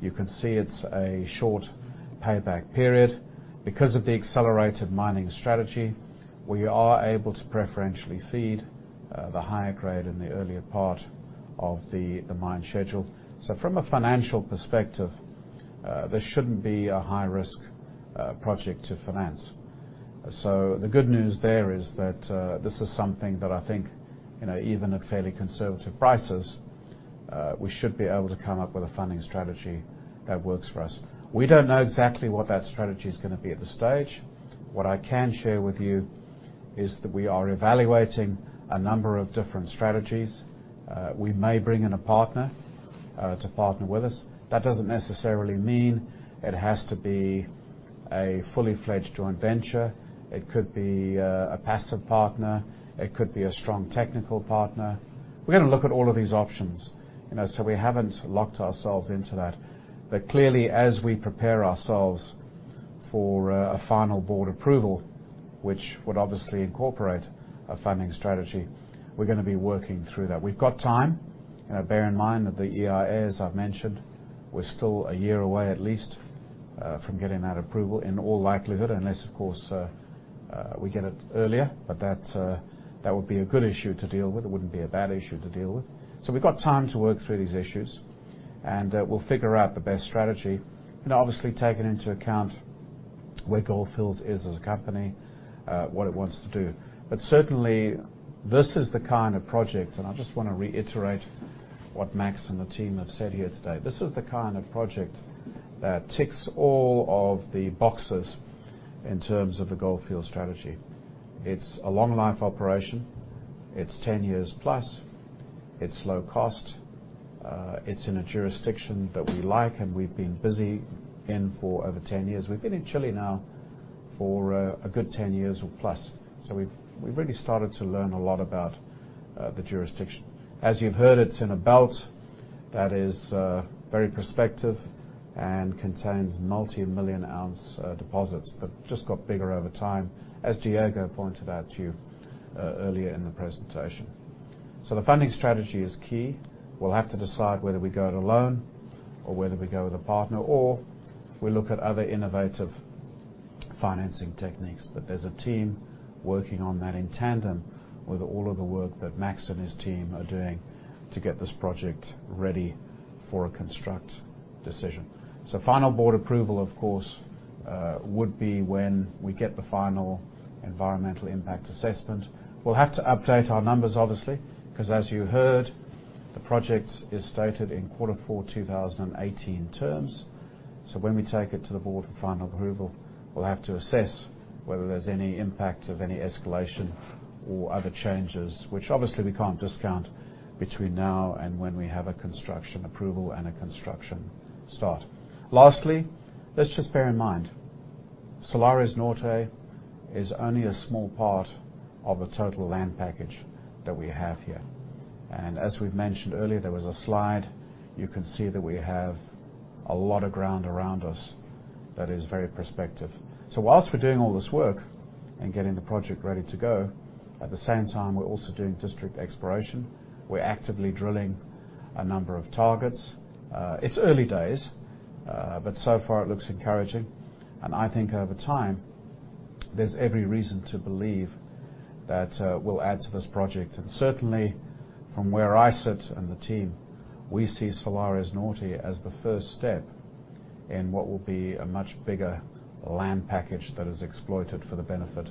You can see it's a short payback period. Because of the accelerated mining strategy, we are able to preferentially feed the higher grade in the earlier part of the mine schedule. From a financial perspective, this shouldn't be a high-risk project to finance. The good news there is that this is something that I think even at fairly conservative prices, we should be able to come up with a funding strategy that works for us. We don't know exactly what that strategy is going to be at this stage. What I can share with you is that we are evaluating a number of different strategies. We may bring in a partner to partner with us. That doesn't necessarily mean it has to be a fully-fledged joint venture. It could be a passive partner. It could be a strong technical partner. We're going to look at all of these options. We haven't locked ourselves into that. Clearly, as we prepare ourselves for a final board approval, which would obviously incorporate a funding strategy. We're going to be working through that. We've got time. Bear in mind that the EIA, as I've mentioned, we're still a year away at least from getting that approval in all likelihood, unless of course, we get it earlier, that would be a good issue to deal with, it wouldn't be a bad issue to deal with. We've got time to work through these issues, and we'll figure out the best strategy and obviously taking into account where Gold Fields is as a company, what it wants to do. Certainly, this is the kind of project, and I just want to reiterate what Max and the team have said here today. This is the kind of project that ticks all of the boxes in terms of the Gold Fields strategy. It's a long life operation. It's 10 years plus. It's low cost. It's in a jurisdiction that we like and we've been busy in for over 10 years. We've been in Chile now for a good 10 years or plus. We've really started to learn a lot about the jurisdiction. As you've heard, it's in a belt that is very prospective and contains multi-million ounce deposits that just got bigger over time, as Diego pointed out to you earlier in the presentation. The funding strategy is key. We'll have to decide whether we go it alone or whether we go with a partner, or if we look at other innovative financing techniques. There's a team working on that in tandem with all of the work that Max and his team are doing to get this project ready for a construct decision. Final board approval, of course, would be when we get the final environmental impact assessment. We'll have to update our numbers, obviously, because as you heard, the project is stated in quarter four 2018 terms. When we take it to the board for final approval, we'll have to assess whether there's any impact of any escalation or other changes, which obviously we can't discount between now and when we have a construction approval and a construction start. Lastly, let's just bear in mind, Salares Norte is only a small part of the total land package that we have here. As we've mentioned earlier, there was a slide, you can see that we have a lot of ground around us that is very prospective. Whilst we're doing all this work and getting the project ready to go, at the same time, we're also doing district exploration. We're actively drilling a number of targets. It's early days, but so far it looks encouraging. I think over time, there's every reason to believe that we'll add to this project. Certainly, from where I sit and the team, we see Salares Norte as the first step in what will be a much bigger land package that is exploited for the benefit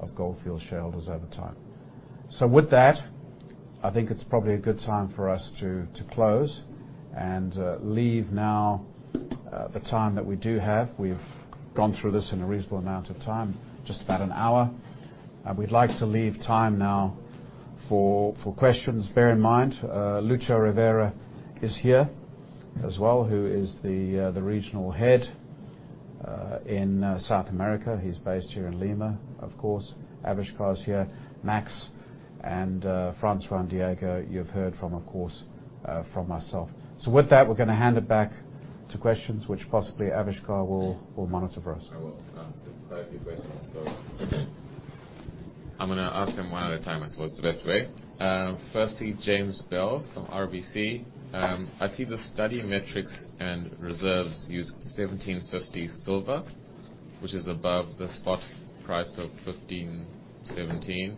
of Gold Fields shareholders over time. With that, I think it's probably a good time for us to close and leave now the time that we do have. We've gone through this in a reasonable amount of time, just about an hour. We'd like to leave time now for questions. Bear in mind, Lucho Rivera is here as well, who is the regional head, in South America. He's based here in Lima. Of course, Avishkar is here, Max and Francois and Diego, you've heard from, of course, from myself. With that, we're going to hand it back to questions which possibly Avishkar will monitor for us. I will. There's quite a few questions. I'm going to ask them one at a time, I suppose the best way. Firstly, James Bell from RBC. I see the study metrics and reserves use $1,750 silver, which is above the spot price of $1,517.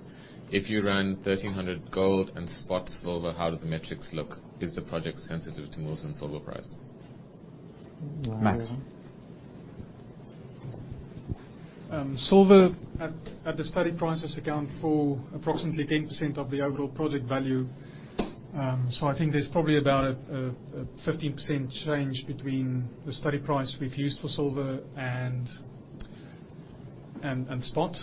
If you ran $1,300 gold and spot silver, how does the metrics look? Is the project sensitive to moves in silver price? Max. Silver at the study prices account for approximately 10% of the overall project value. I think there's probably about a 15% change between the study price we've used for silver and spot.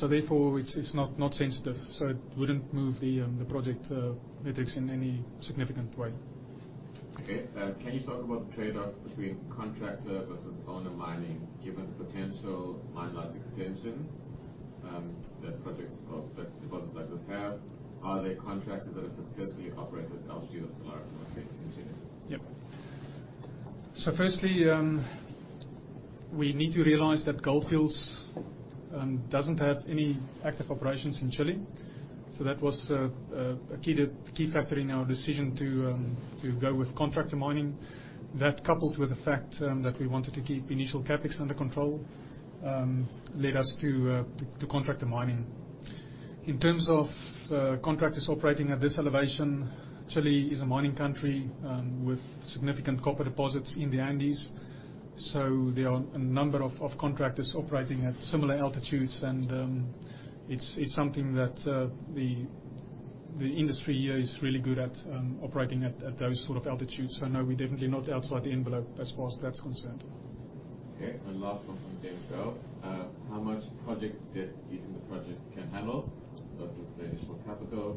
Therefore, it's not sensitive. It wouldn't move the project metrics in any significant way. Okay. Can you talk about the trade-offs between contractor versus owner mining, given the potential mine life extensions that deposits like this have? Are there contractors that have successfully operated at altitude of Salares Norte in Chile? Yep. Firstly, we need to realize that Gold Fields doesn't have any active operations in Chile. That was a key factor in our decision to go with contractor mining. That coupled with the fact that we wanted to keep initial CapEx under control, led us to contractor mining. In terms of contractors operating at this elevation, Chile is a mining country with significant copper deposits in the Andes. There are a number of contractors operating at similar altitudes and it's something that the industry here is really good at operating at those sort of altitudes. No, we're definitely not outside the envelope as far as that's concerned. Okay. Last one from James Bell. How much project debt do you think the project can handle versus the initial capital?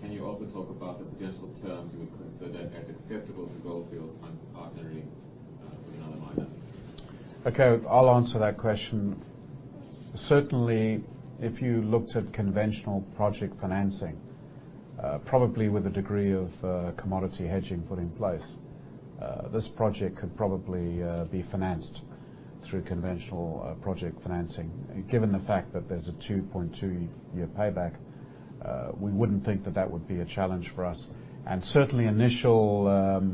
Can you also talk about the potential terms you would consider as acceptable to Gold Fields and partnering with another miner? Okay. I'll answer that question. Certainly, if you looked at conventional project financing, probably with a degree of commodity hedging put in place, this project could probably be financed through conventional project financing. Given the fact that there's a 2.2-year payback, we wouldn't think that that would be a challenge for us. Certainly, initial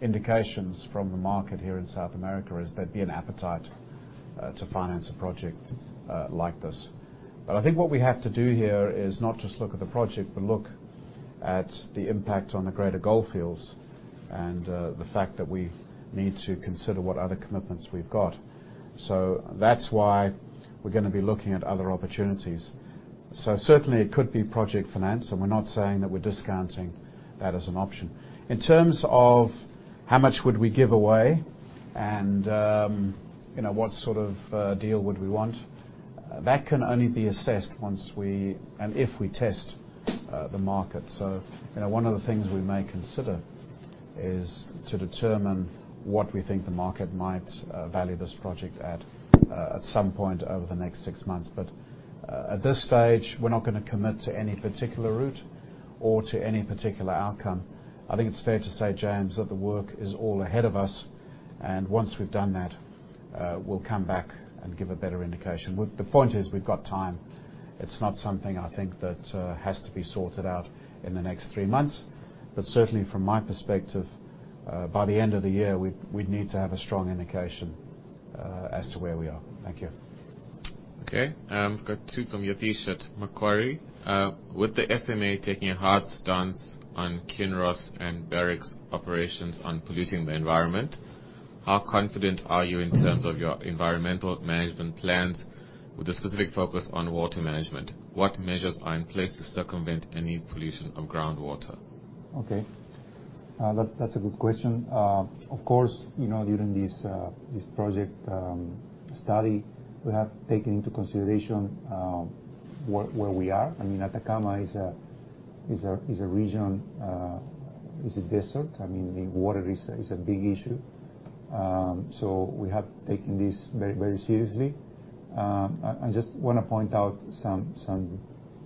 indications from the market here in South America is there'd be an appetite to finance a project like this. I think what we have to do here is not just look at the project, but look at the impact on the greater Gold Fields, and the fact that we need to consider what other commitments we've got. That's why we're going to be looking at other opportunities. Certainly, it could be project finance, and we're not saying that we're discounting that as an option. In terms of how much would we give away and what sort of deal would we want, that can only be assessed once we, and if we test the market. One of the things we may consider is to determine what we think the market might value this project at some point over the next six months. At this stage, we're not going to commit to any particular route or to any particular outcome. I think it's fair to say, James, that the work is all ahead of us, and once we've done that, we'll come back and give a better indication. The point is, we've got time. It's not something I think that has to be sorted out in the next three months. Certainly, from my perspective, by the end of the year, we'd need to have a strong indication as to where we are. Thank you. I've got two from Yatish at Macquarie. With the SMA taking a hard stance on Kinross and Barrick's operations on polluting the environment, how confident are you in terms of your environmental management plans with a specific focus on water management? What measures are in place to circumvent any pollution of groundwater? That's a good question. Of course, during this project study, we have taken into consideration where we are. Atacama is a region. It's a desert. The water is a big issue. We have taken this very seriously. I just want to point out some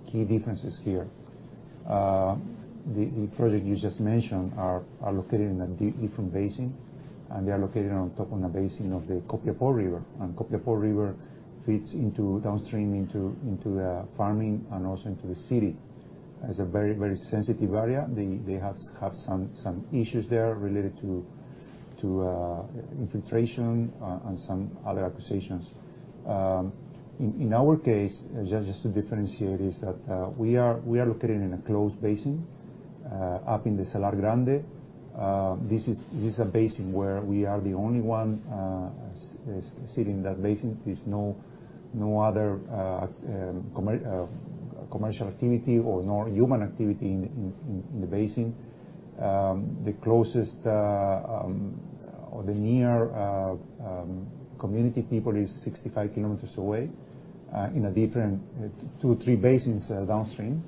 key differences here. The project you just mentioned are located in a different basin, and they are located on top of the basin of the Copiapó River. Copiapó River feeds downstream into farming and also into the city. It's a very sensitive area. They have some issues there related to infiltration and some other accusations. Our case, just to differentiate, is that we are located in a closed basin up in the Salar Grande. This is a basin where we are the only one sitting in that basin. There's no other commercial activity or no human activity in the basin. The closest or the near community people is 65 kilometers away in two, three basins downstream.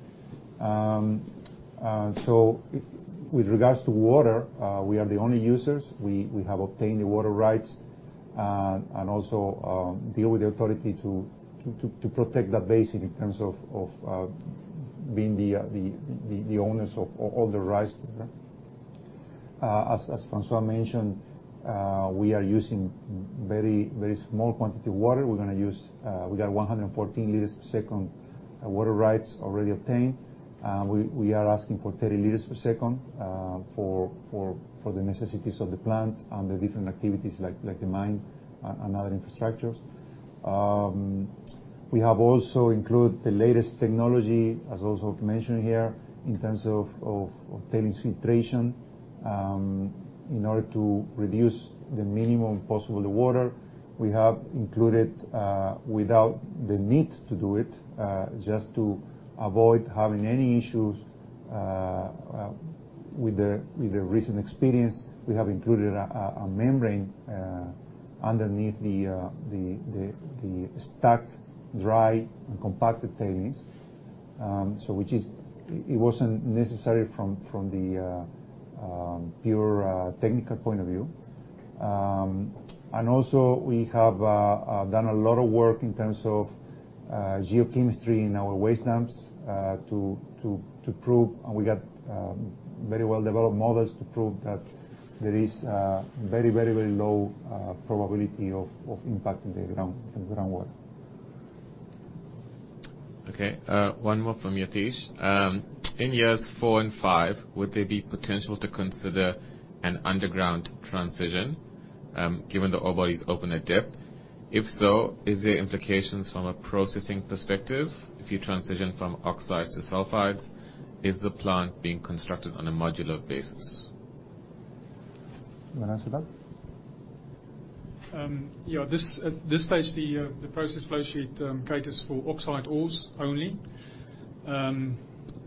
With regards to water, we are the only users. We have obtained the water rights and also deal with the authority to protect that basin in terms of being the owners of all the rights there. As Francois mentioned, we are using very small quantity water. We got 114 liters per second water rights already obtained. We are asking for 30 liters per second for the necessities of the plant and the different activities like the mine and other infrastructures. We have also included the latest technology, as also mentioned here, in terms of tailings filtration. In order to reduce the minimum possible water, we have included, without the need to do it, just to avoid having any issues with the recent experience. We have included a membrane underneath the stacked, dry, and compacted tailings. It wasn't necessary from the pure technical point of view. Also, we have done a lot of work in terms of geochemistry in our waste dumps to prove, and we got very well-developed models to prove that there is a very low probability of impacting the groundwater. Okay. One more from Yatish. In years four and five, would there be potential to consider an underground transition given the ore body is open at depth? If so, is there implications from a processing perspective if you transition from oxides to sulfides? Is the plant being constructed on a modular basis? You want to answer that? At this stage, the process flow sheet caters for oxide ores only.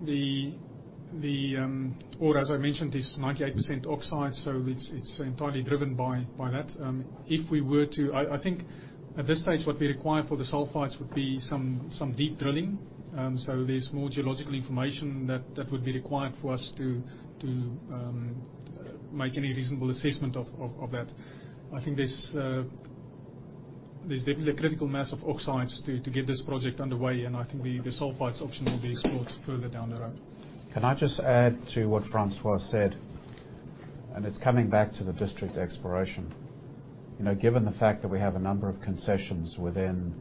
The ore, as I mentioned, is 98% oxide, so it's entirely driven by that. I think at this stage, what we require for the sulfides would be some deep drilling. There's more geological information that would be required for us to make any reasonable assessment of that. I think there's. There's definitely a critical mass of oxides to get this project underway. I think the sulfides option will be explored further down the road. Can I just add to what Francois said? It's coming back to the district exploration. Given the fact that we have a number of concessions within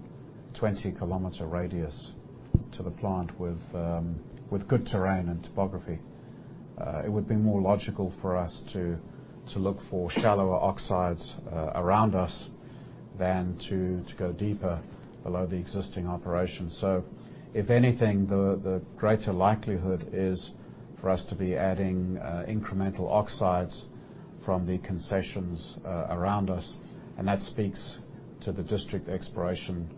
20-kilometer radius to the plant with good terrain and topography, it would be more logical for us to look for shallower oxides around us than to go deeper below the existing operation. If anything, the greater likelihood is for us to be adding incremental oxides from the concessions around us, and that speaks to the district exploration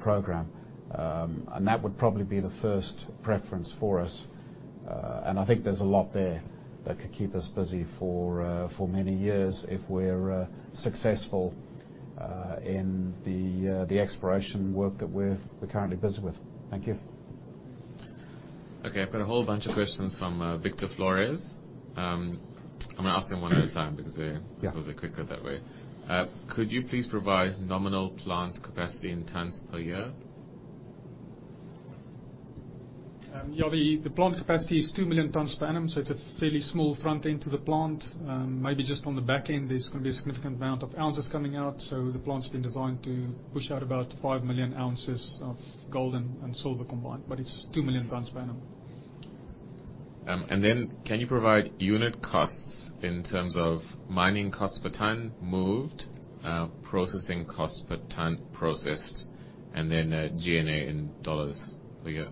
program. That would probably be the first preference for us. I think there's a lot there that could keep us busy for many years if we're successful in the exploration work that we're currently busy with. Thank you. Okay. I've got a whole bunch of questions from Victor Flores. I'm going to ask them one at a time because Yeah I suppose they're quicker that way. Could you please provide nominal plant capacity in tons per year? The plant capacity is 2 million tons per annum, so it's a fairly small front end to the plant. Maybe just on the back end, there's going to be a significant amount of ounces coming out. The plant's been designed to push out about 5 million ounces of gold and silver combined, but it's 2 million tons per annum. Can you provide unit costs in terms of mining costs per ton moved, processing costs per ton processed, and G&A in $ per year?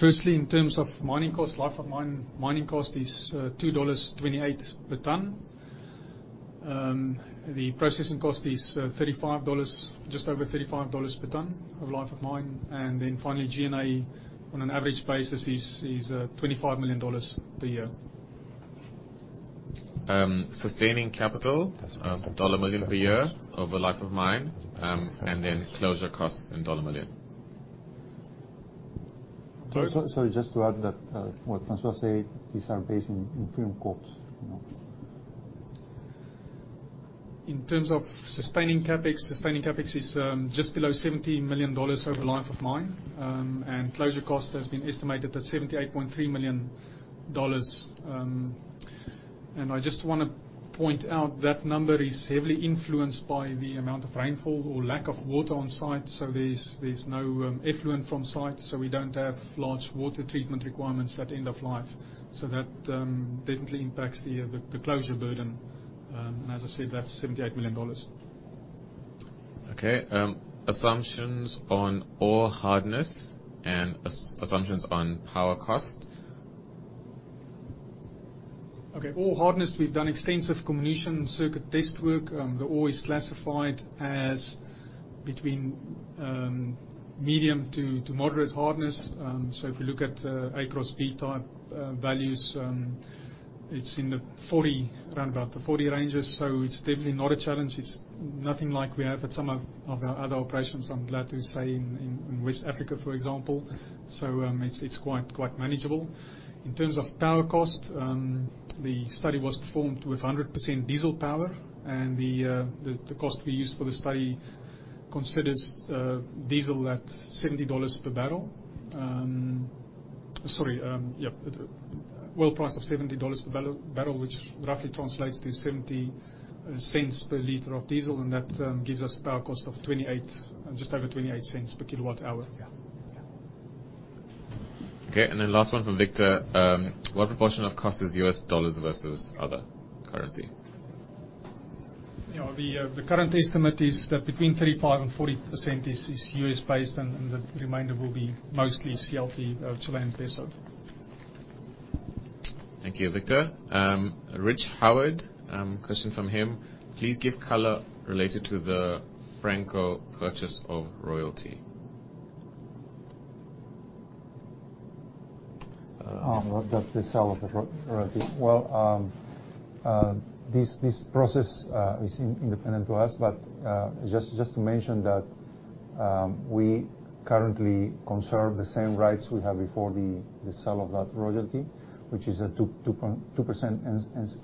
Firstly, in terms of mining cost, life of mine mining cost is $2.28 per ton. The processing cost is just over $35 per ton of life of mine. Finally, G&A on an average basis is $25 million per year. Sustaining capital, $ million per year over life of mine, closure costs in $ million. Sorry, just to add that, what Francois said, these are based in firm quotes. In terms of sustaining CapEx, sustaining CapEx is just below $70 million over the life of mine. Closure cost has been estimated at $78.3 million. I just want to point out that number is heavily influenced by the amount of rainfall or lack of water on site. There's no effluent from site, so we don't have large water treatment requirements at end of life. That definitely impacts the closure burden. As I said, that's $78 million. Okay. Assumptions on ore hardness and assumptions on power cost. Okay. Ore hardness, we've done extensive combination circuit test work. The ore is classified as between medium to moderate hardness. If we look at A cross B type values, it's in the 40, around about the 40 ranges. It's definitely not a challenge. It's nothing like we have at some of our other operations, I'm glad to say, in West Africa, for example. It's quite manageable. In terms of power cost, the study was performed with 100% diesel power, the cost we used for the study considers diesel at $70 per barrel. Sorry. Yep. Oil price of $70 per barrel, which roughly translates to $0.70 per liter of diesel, that gives us a power cost of just over $0.28 per kilowatt hour. Yeah. Last one from Victor. What proportion of cost is U.S. dollars versus other currency? The current estimate is that between 35%-40% is U.S. based, and the remainder will be mostly CLP, Chilean peso. Thank you, Victor. Rich Howard, question from him. Please give color related to the Franco-Nevada purchase of royalty. That's the sale of the royalty. This process is independent to us, but just to mention that we currently conserve the same rights we had before the sale of that royalty, which is a 2% NSR. Is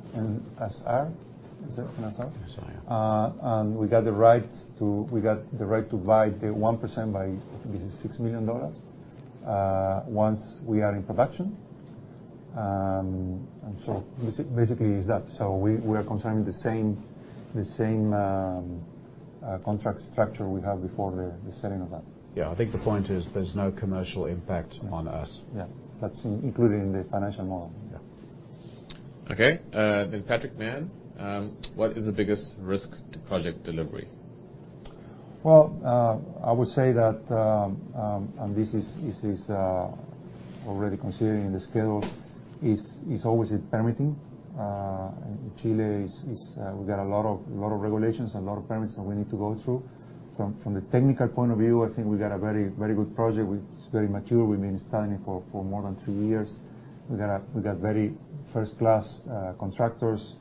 it NSR? NSR. We got the right to buy the 1% by $66 million, once we are in production. Basically, it's that. We are conserving the same contract structure we had before the selling of that. Yeah. I think the point is there's no commercial impact on us. Yeah. That's included in the financial model. Yeah. Okay. Patrick Mann. What is the biggest risk to project delivery? Well, I would say that, and this is already considering the scale, is always the permitting. Chile. We've got a lot of regulations and a lot of permits that we need to go through. From the technical point of view, I think we've got a very good project. It's very mature. We've been studying it for more than three years. We've got very first-class contractors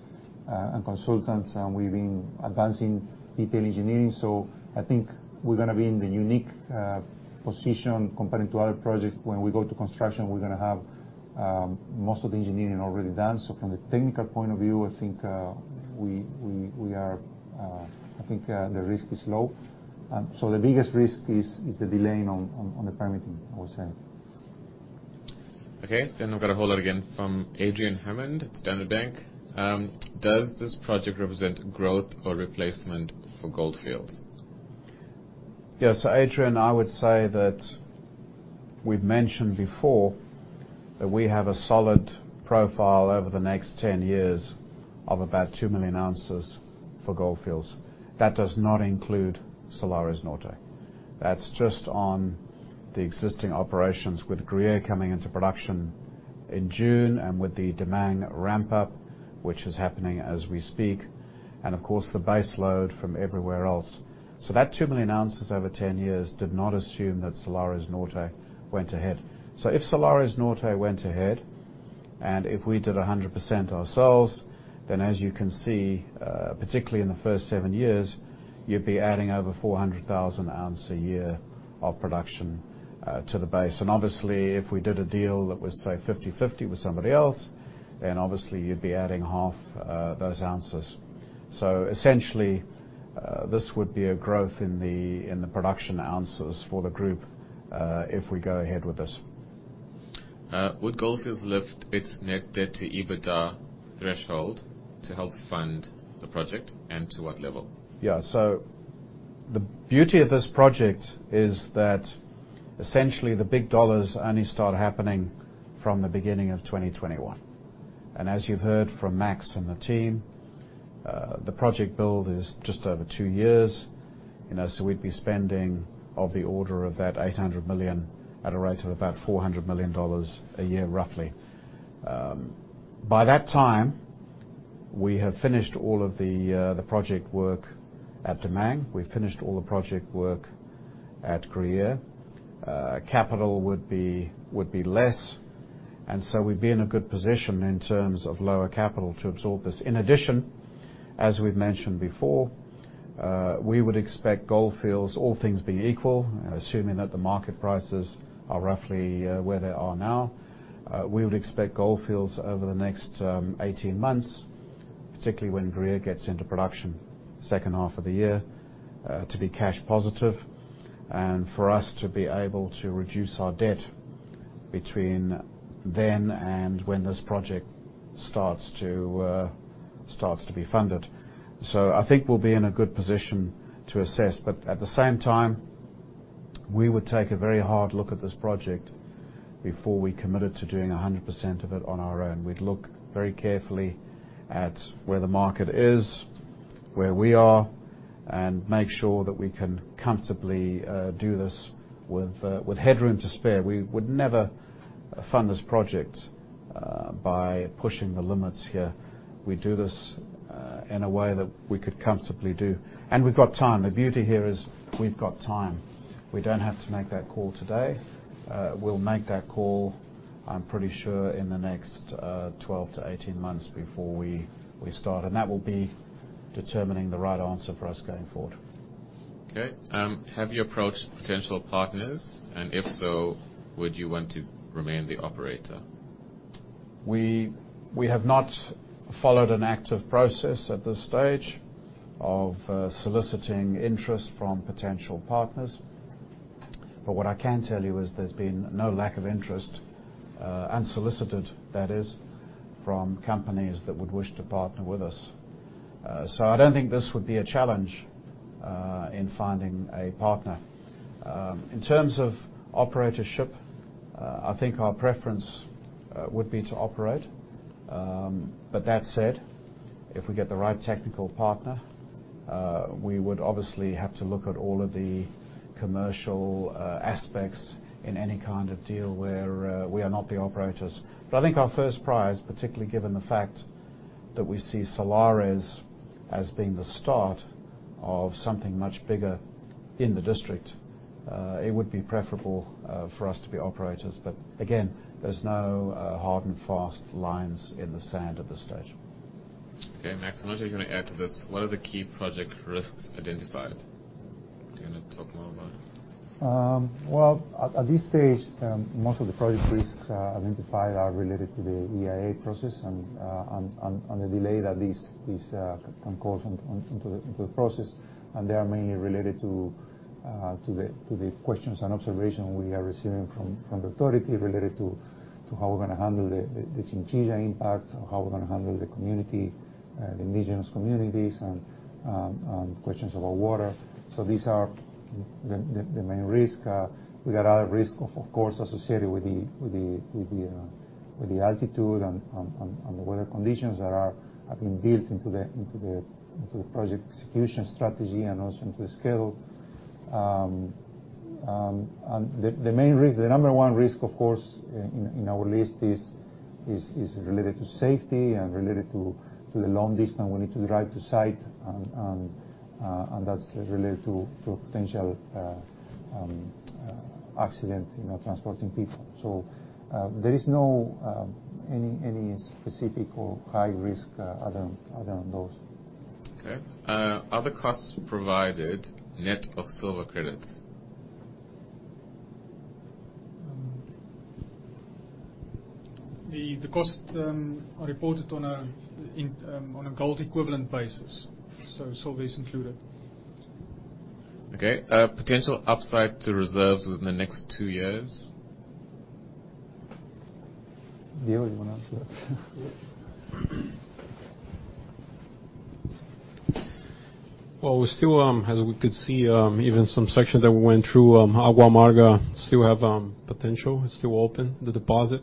and consultants, and we've been advancing detail engineering. I think we're going to be in the unique position compared to other projects when we go to construction, we're going to have most of the engineering already done. From the technical point of view, I think the risk is low. The biggest risk is the delaying on the permitting, I would say. Okay, I've got a holder again from Adrian Hammond at Standard Bank. Does this project represent growth or replacement for Gold Fields? Yeah. Adrian, I would say that we've mentioned before that we have a solid profile over the next 10 years of about 2 million ounces for Gold Fields. That does not include Salares Norte. That's just on the existing operations with Gruyere coming into production in June and with the Damang ramp-up, which is happening as we speak, and of course the base load from everywhere else. That 2 million ounces over 10 years did not assume that Salares Norte went ahead. If Salares Norte went ahead, and if we did 100% ourselves, then as you can see, particularly in the first seven years, you'd be adding over 400,000 ounce a year of production to the base. Obviously, if we did a deal that was, say, 50-50 with somebody else, then obviously you'd be adding half those ounces. Essentially, this would be a growth in the production ounces for the group, if we go ahead with this. Would Gold Fields lift its net debt to EBITDA threshold to help fund the project, and to what level? Yeah. The beauty of this project is that essentially the big dollars only start happening from the beginning of 2021. As you've heard from Max and the team, the project build is just over two years. We'd be spending of the order of that $800 million at a rate of about $400 million a year, roughly. By that time, we have finished all of the project work at Damang. We've finished all the project work at Gruyere. Capital would be less, we'd be in a good position in terms of lower capital to absorb this. In addition, as we've mentioned before, we would expect Gold Fields, all things being equal, assuming that the market prices are roughly where they are now, we would expect Gold Fields over the next 18 months, particularly when Gruyere gets into production second half of the year, to be cash positive and for us to be able to reduce our debt between then and when this project starts to be funded. I think we'll be in a good position to assess. At the same time, we would take a very hard look at this project before we committed to doing 100% of it on our own. We'd look very carefully at where the market is, where we are, and make sure that we can comfortably do this with headroom to spare. We would never fund this project by pushing the limits here. We'd do this in a way that we could comfortably do. We've got time. The beauty here is we've got time. We don't have to make that call today. We'll make that call, I'm pretty sure, in the next 12-18 months before we start. That will be determining the right answer for us going forward. Okay. Have you approached potential partners? If so, would you want to remain the operator? We have not followed an active process at this stage of soliciting interest from potential partners. What I can tell you is there's been no lack of interest, unsolicited, that is, from companies that would wish to partner with us. I don't think this would be a challenge in finding a partner. In terms of operatorship, I think our preference would be to operate. That said, if we get the right technical partner, we would obviously have to look at all of the commercial aspects in any kind of deal where we are not the operators. I think our first prize, particularly given the fact that we see Salares Norte as being the start of something much bigger in the district, it would be preferable for us to be operators. Again, there's no hard and fast lines in the sand at this stage. Okay. Max, I wonder if you're going to add to this. What are the key project risks identified? Do you want to talk more about it? Well, at this stage, most of the project risks identified are related to the EIA process and on the delay that this can cause into the process. They are mainly related to the questions and observation we are receiving from the authority related to how we're going to handle the chinchilla impact, or how we're going to handle the community, the indigenous communities, and questions about water. These are the main risk. We got other risk, of course, associated with the altitude and the weather conditions that are being built into the project execution strategy and also into the schedule. The main risk, the number one risk, of course, in our list is related to safety and related to the long distance we need to drive to site, and that's related to potential accident transporting people. There is no any specific or high risk other than those. Okay. Are the costs provided net of silver credits? The costs are reported on a gold equivalent basis. Silver is included. Okay. Potential upside to reserves within the next two years? Diego, you want to answer that? Well, we're still, as we could see, even some sections that we went through, Agua Amarga still have potential. It's still open, the deposit.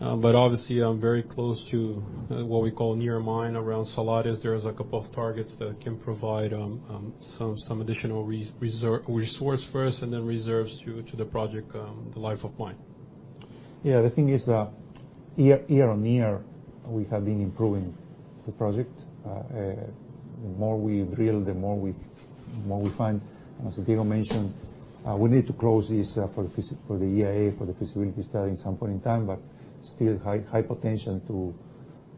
Obviously, I'm very close to what we call near mine. Around Salares, there is a couple of targets that can provide some additional resource first, then reserves to the project, the life of mine. Yeah, the thing is, year-on-year, we have been improving the project. The more we drill, the more we find. As Diego mentioned, we need to close this for the EIA, for the feasibility study at some point in time, still high potential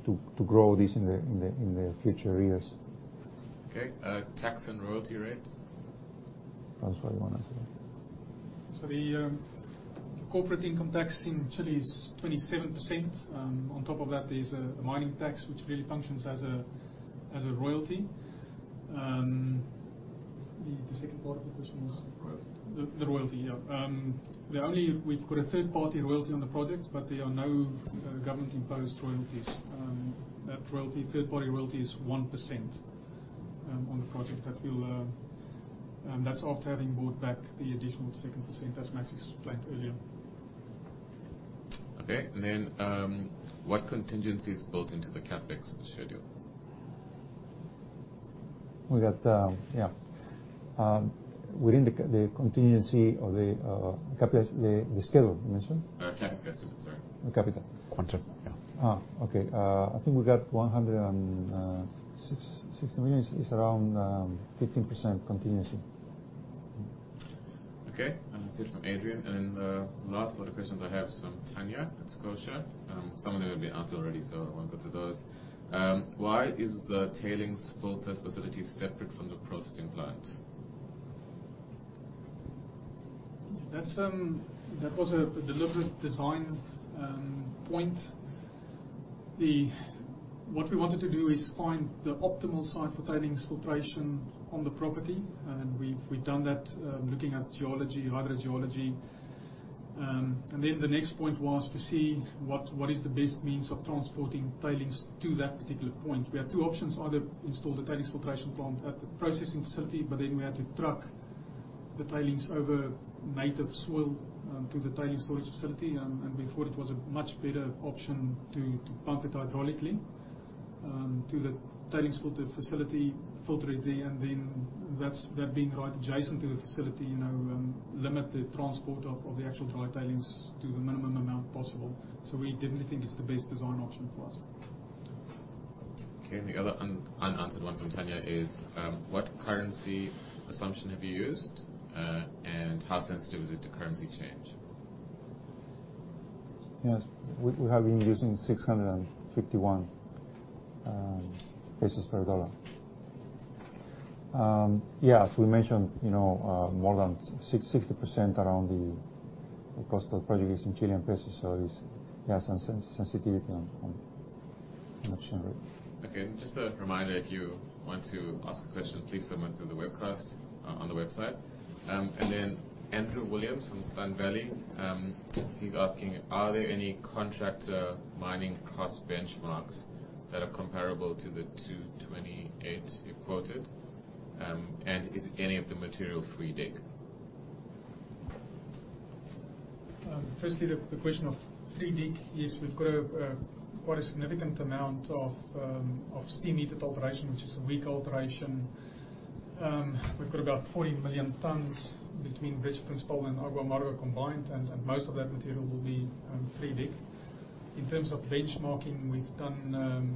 to grow this in the future years. Okay. Tax and royalty rates? Francois, you want to take that? The corporate income tax in Chile is 27%. On top of that, there's a mining tax, which really functions as a royalty. The second part of the question was? The royalty. The royalty, yeah. We've got a third-party royalty on the project, but there are no government-imposed royalties. That third-party royalty is 1% on the project. That's after having bought back the additional second %, as Max explained earlier. Okay. What contingency is built into the CapEx schedule? We got, yeah. Within the contingency or the schedule, you mentioned? CapEx, sorry. The capital. Quanta, yeah. Okay. I think we got $106 million. It is around 15% contingency. Okay. That is it from Adrian. The last lot of questions I have is from Tanya at Scotiabank. Some of them have been answered already, so I will not go through those. Why is the tailings filter facility separate from the processing plant? That was a deliberate design point. What we wanted to do is find the optimal site for tailings filtration on the property, and we have done that, looking at geology, hydrogeology. The next point was to see what is the best means of transporting tailings to that particular point. We had two options: either install the tailings filtration plant at the processing facility, but then we had to truck the tailings over native soil to the tailings storage facility, and we thought it was a much better option to pump it hydraulically to the tailings filter facility, filter it there, and then that being right adjacent to the facility, limit the transport of the actual dry tailings to the minimum amount possible. We definitely think it is the best design option for us. Okay, the other unanswered one from Tanya is, what currency assumption have you used? How sensitive is it to currency change? Yes. We have been using 651 pesos per USD. As we mentioned, more than 60% around the cost of the project is in CLP, there's sensitivity on the exchange rate. Okay. Just a reminder, if you want to ask a question, please submit to the webcast on the website. Andrew Williams from Sun Valley. He's asking, are there any contractor mining cost benchmarks that are comparable to the 228 you quoted, is any of the material free dig? Firstly, the question of free dig is we've got quite a significant amount of steam-heated alteration, which is a weak alteration. We've got about 40 million tons between Brecha Principal and Agua Amarga combined, most of that material will be free dig. In terms of benchmarking, we've done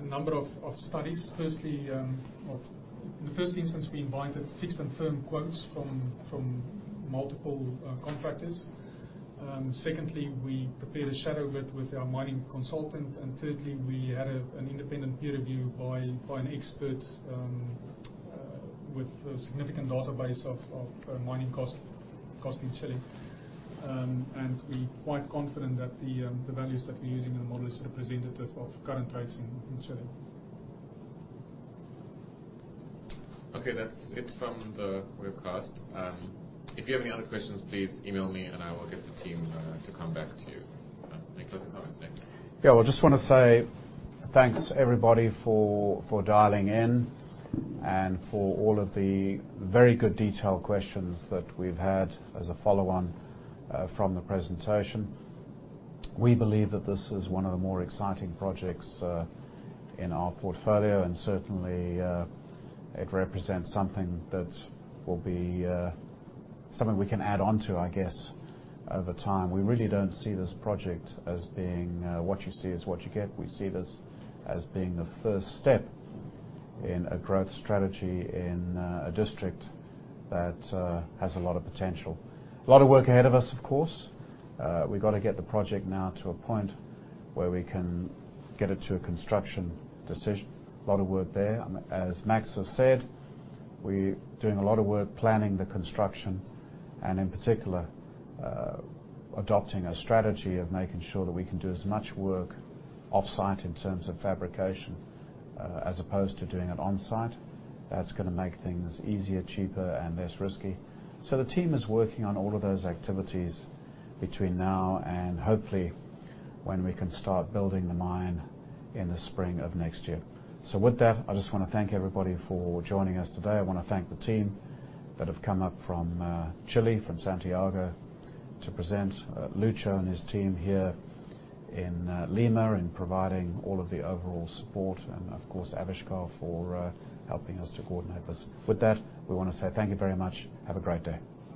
a number of studies. In the first instance, we invited fixed and firm quotes from multiple contractors. Secondly, we prepared a shadow bid with our mining consultant. Thirdly, we had an independent peer review by an expert with a significant database of mining costs in Chile. We're quite confident that the values that we're using in the model is representative of current rates in Chile. Okay, that's it from the webcast. If you have any other questions, please email me and I will get the team to come back to you. Any closing comments, Nick? Well, I just want to say thanks, everybody, for dialing in and for all of the very good detailed questions that we've had as a follow-on from the presentation. We believe that this is one of the more exciting projects in our portfolio, certainly, it represents something we can add on to, I guess, over time. We really don't see this project as being what you see is what you get. We see this as being the first step in a growth strategy in a district that has a lot of potential. A lot of work ahead of us, of course. We've got to get the project now to a point where we can get it to a construction decision. A lot of work there. As Max has said, we're doing a lot of work planning the construction, in particular, adopting a strategy of making sure that we can do as much work off-site in terms of fabrication as opposed to doing it on-site. That's going to make things easier, cheaper, and less risky. The team is working on all of those activities between now and hopefully when we can start building the mine in the spring of next year. With that, I just want to thank everybody for joining us today. I want to thank the team that have come up from Chile, from Santiago to present. Lucho and his team here in Lima, in providing all of the overall support, of course, Avishkar, for helping us to coordinate this. With that, we want to say thank you very much. Have a great day.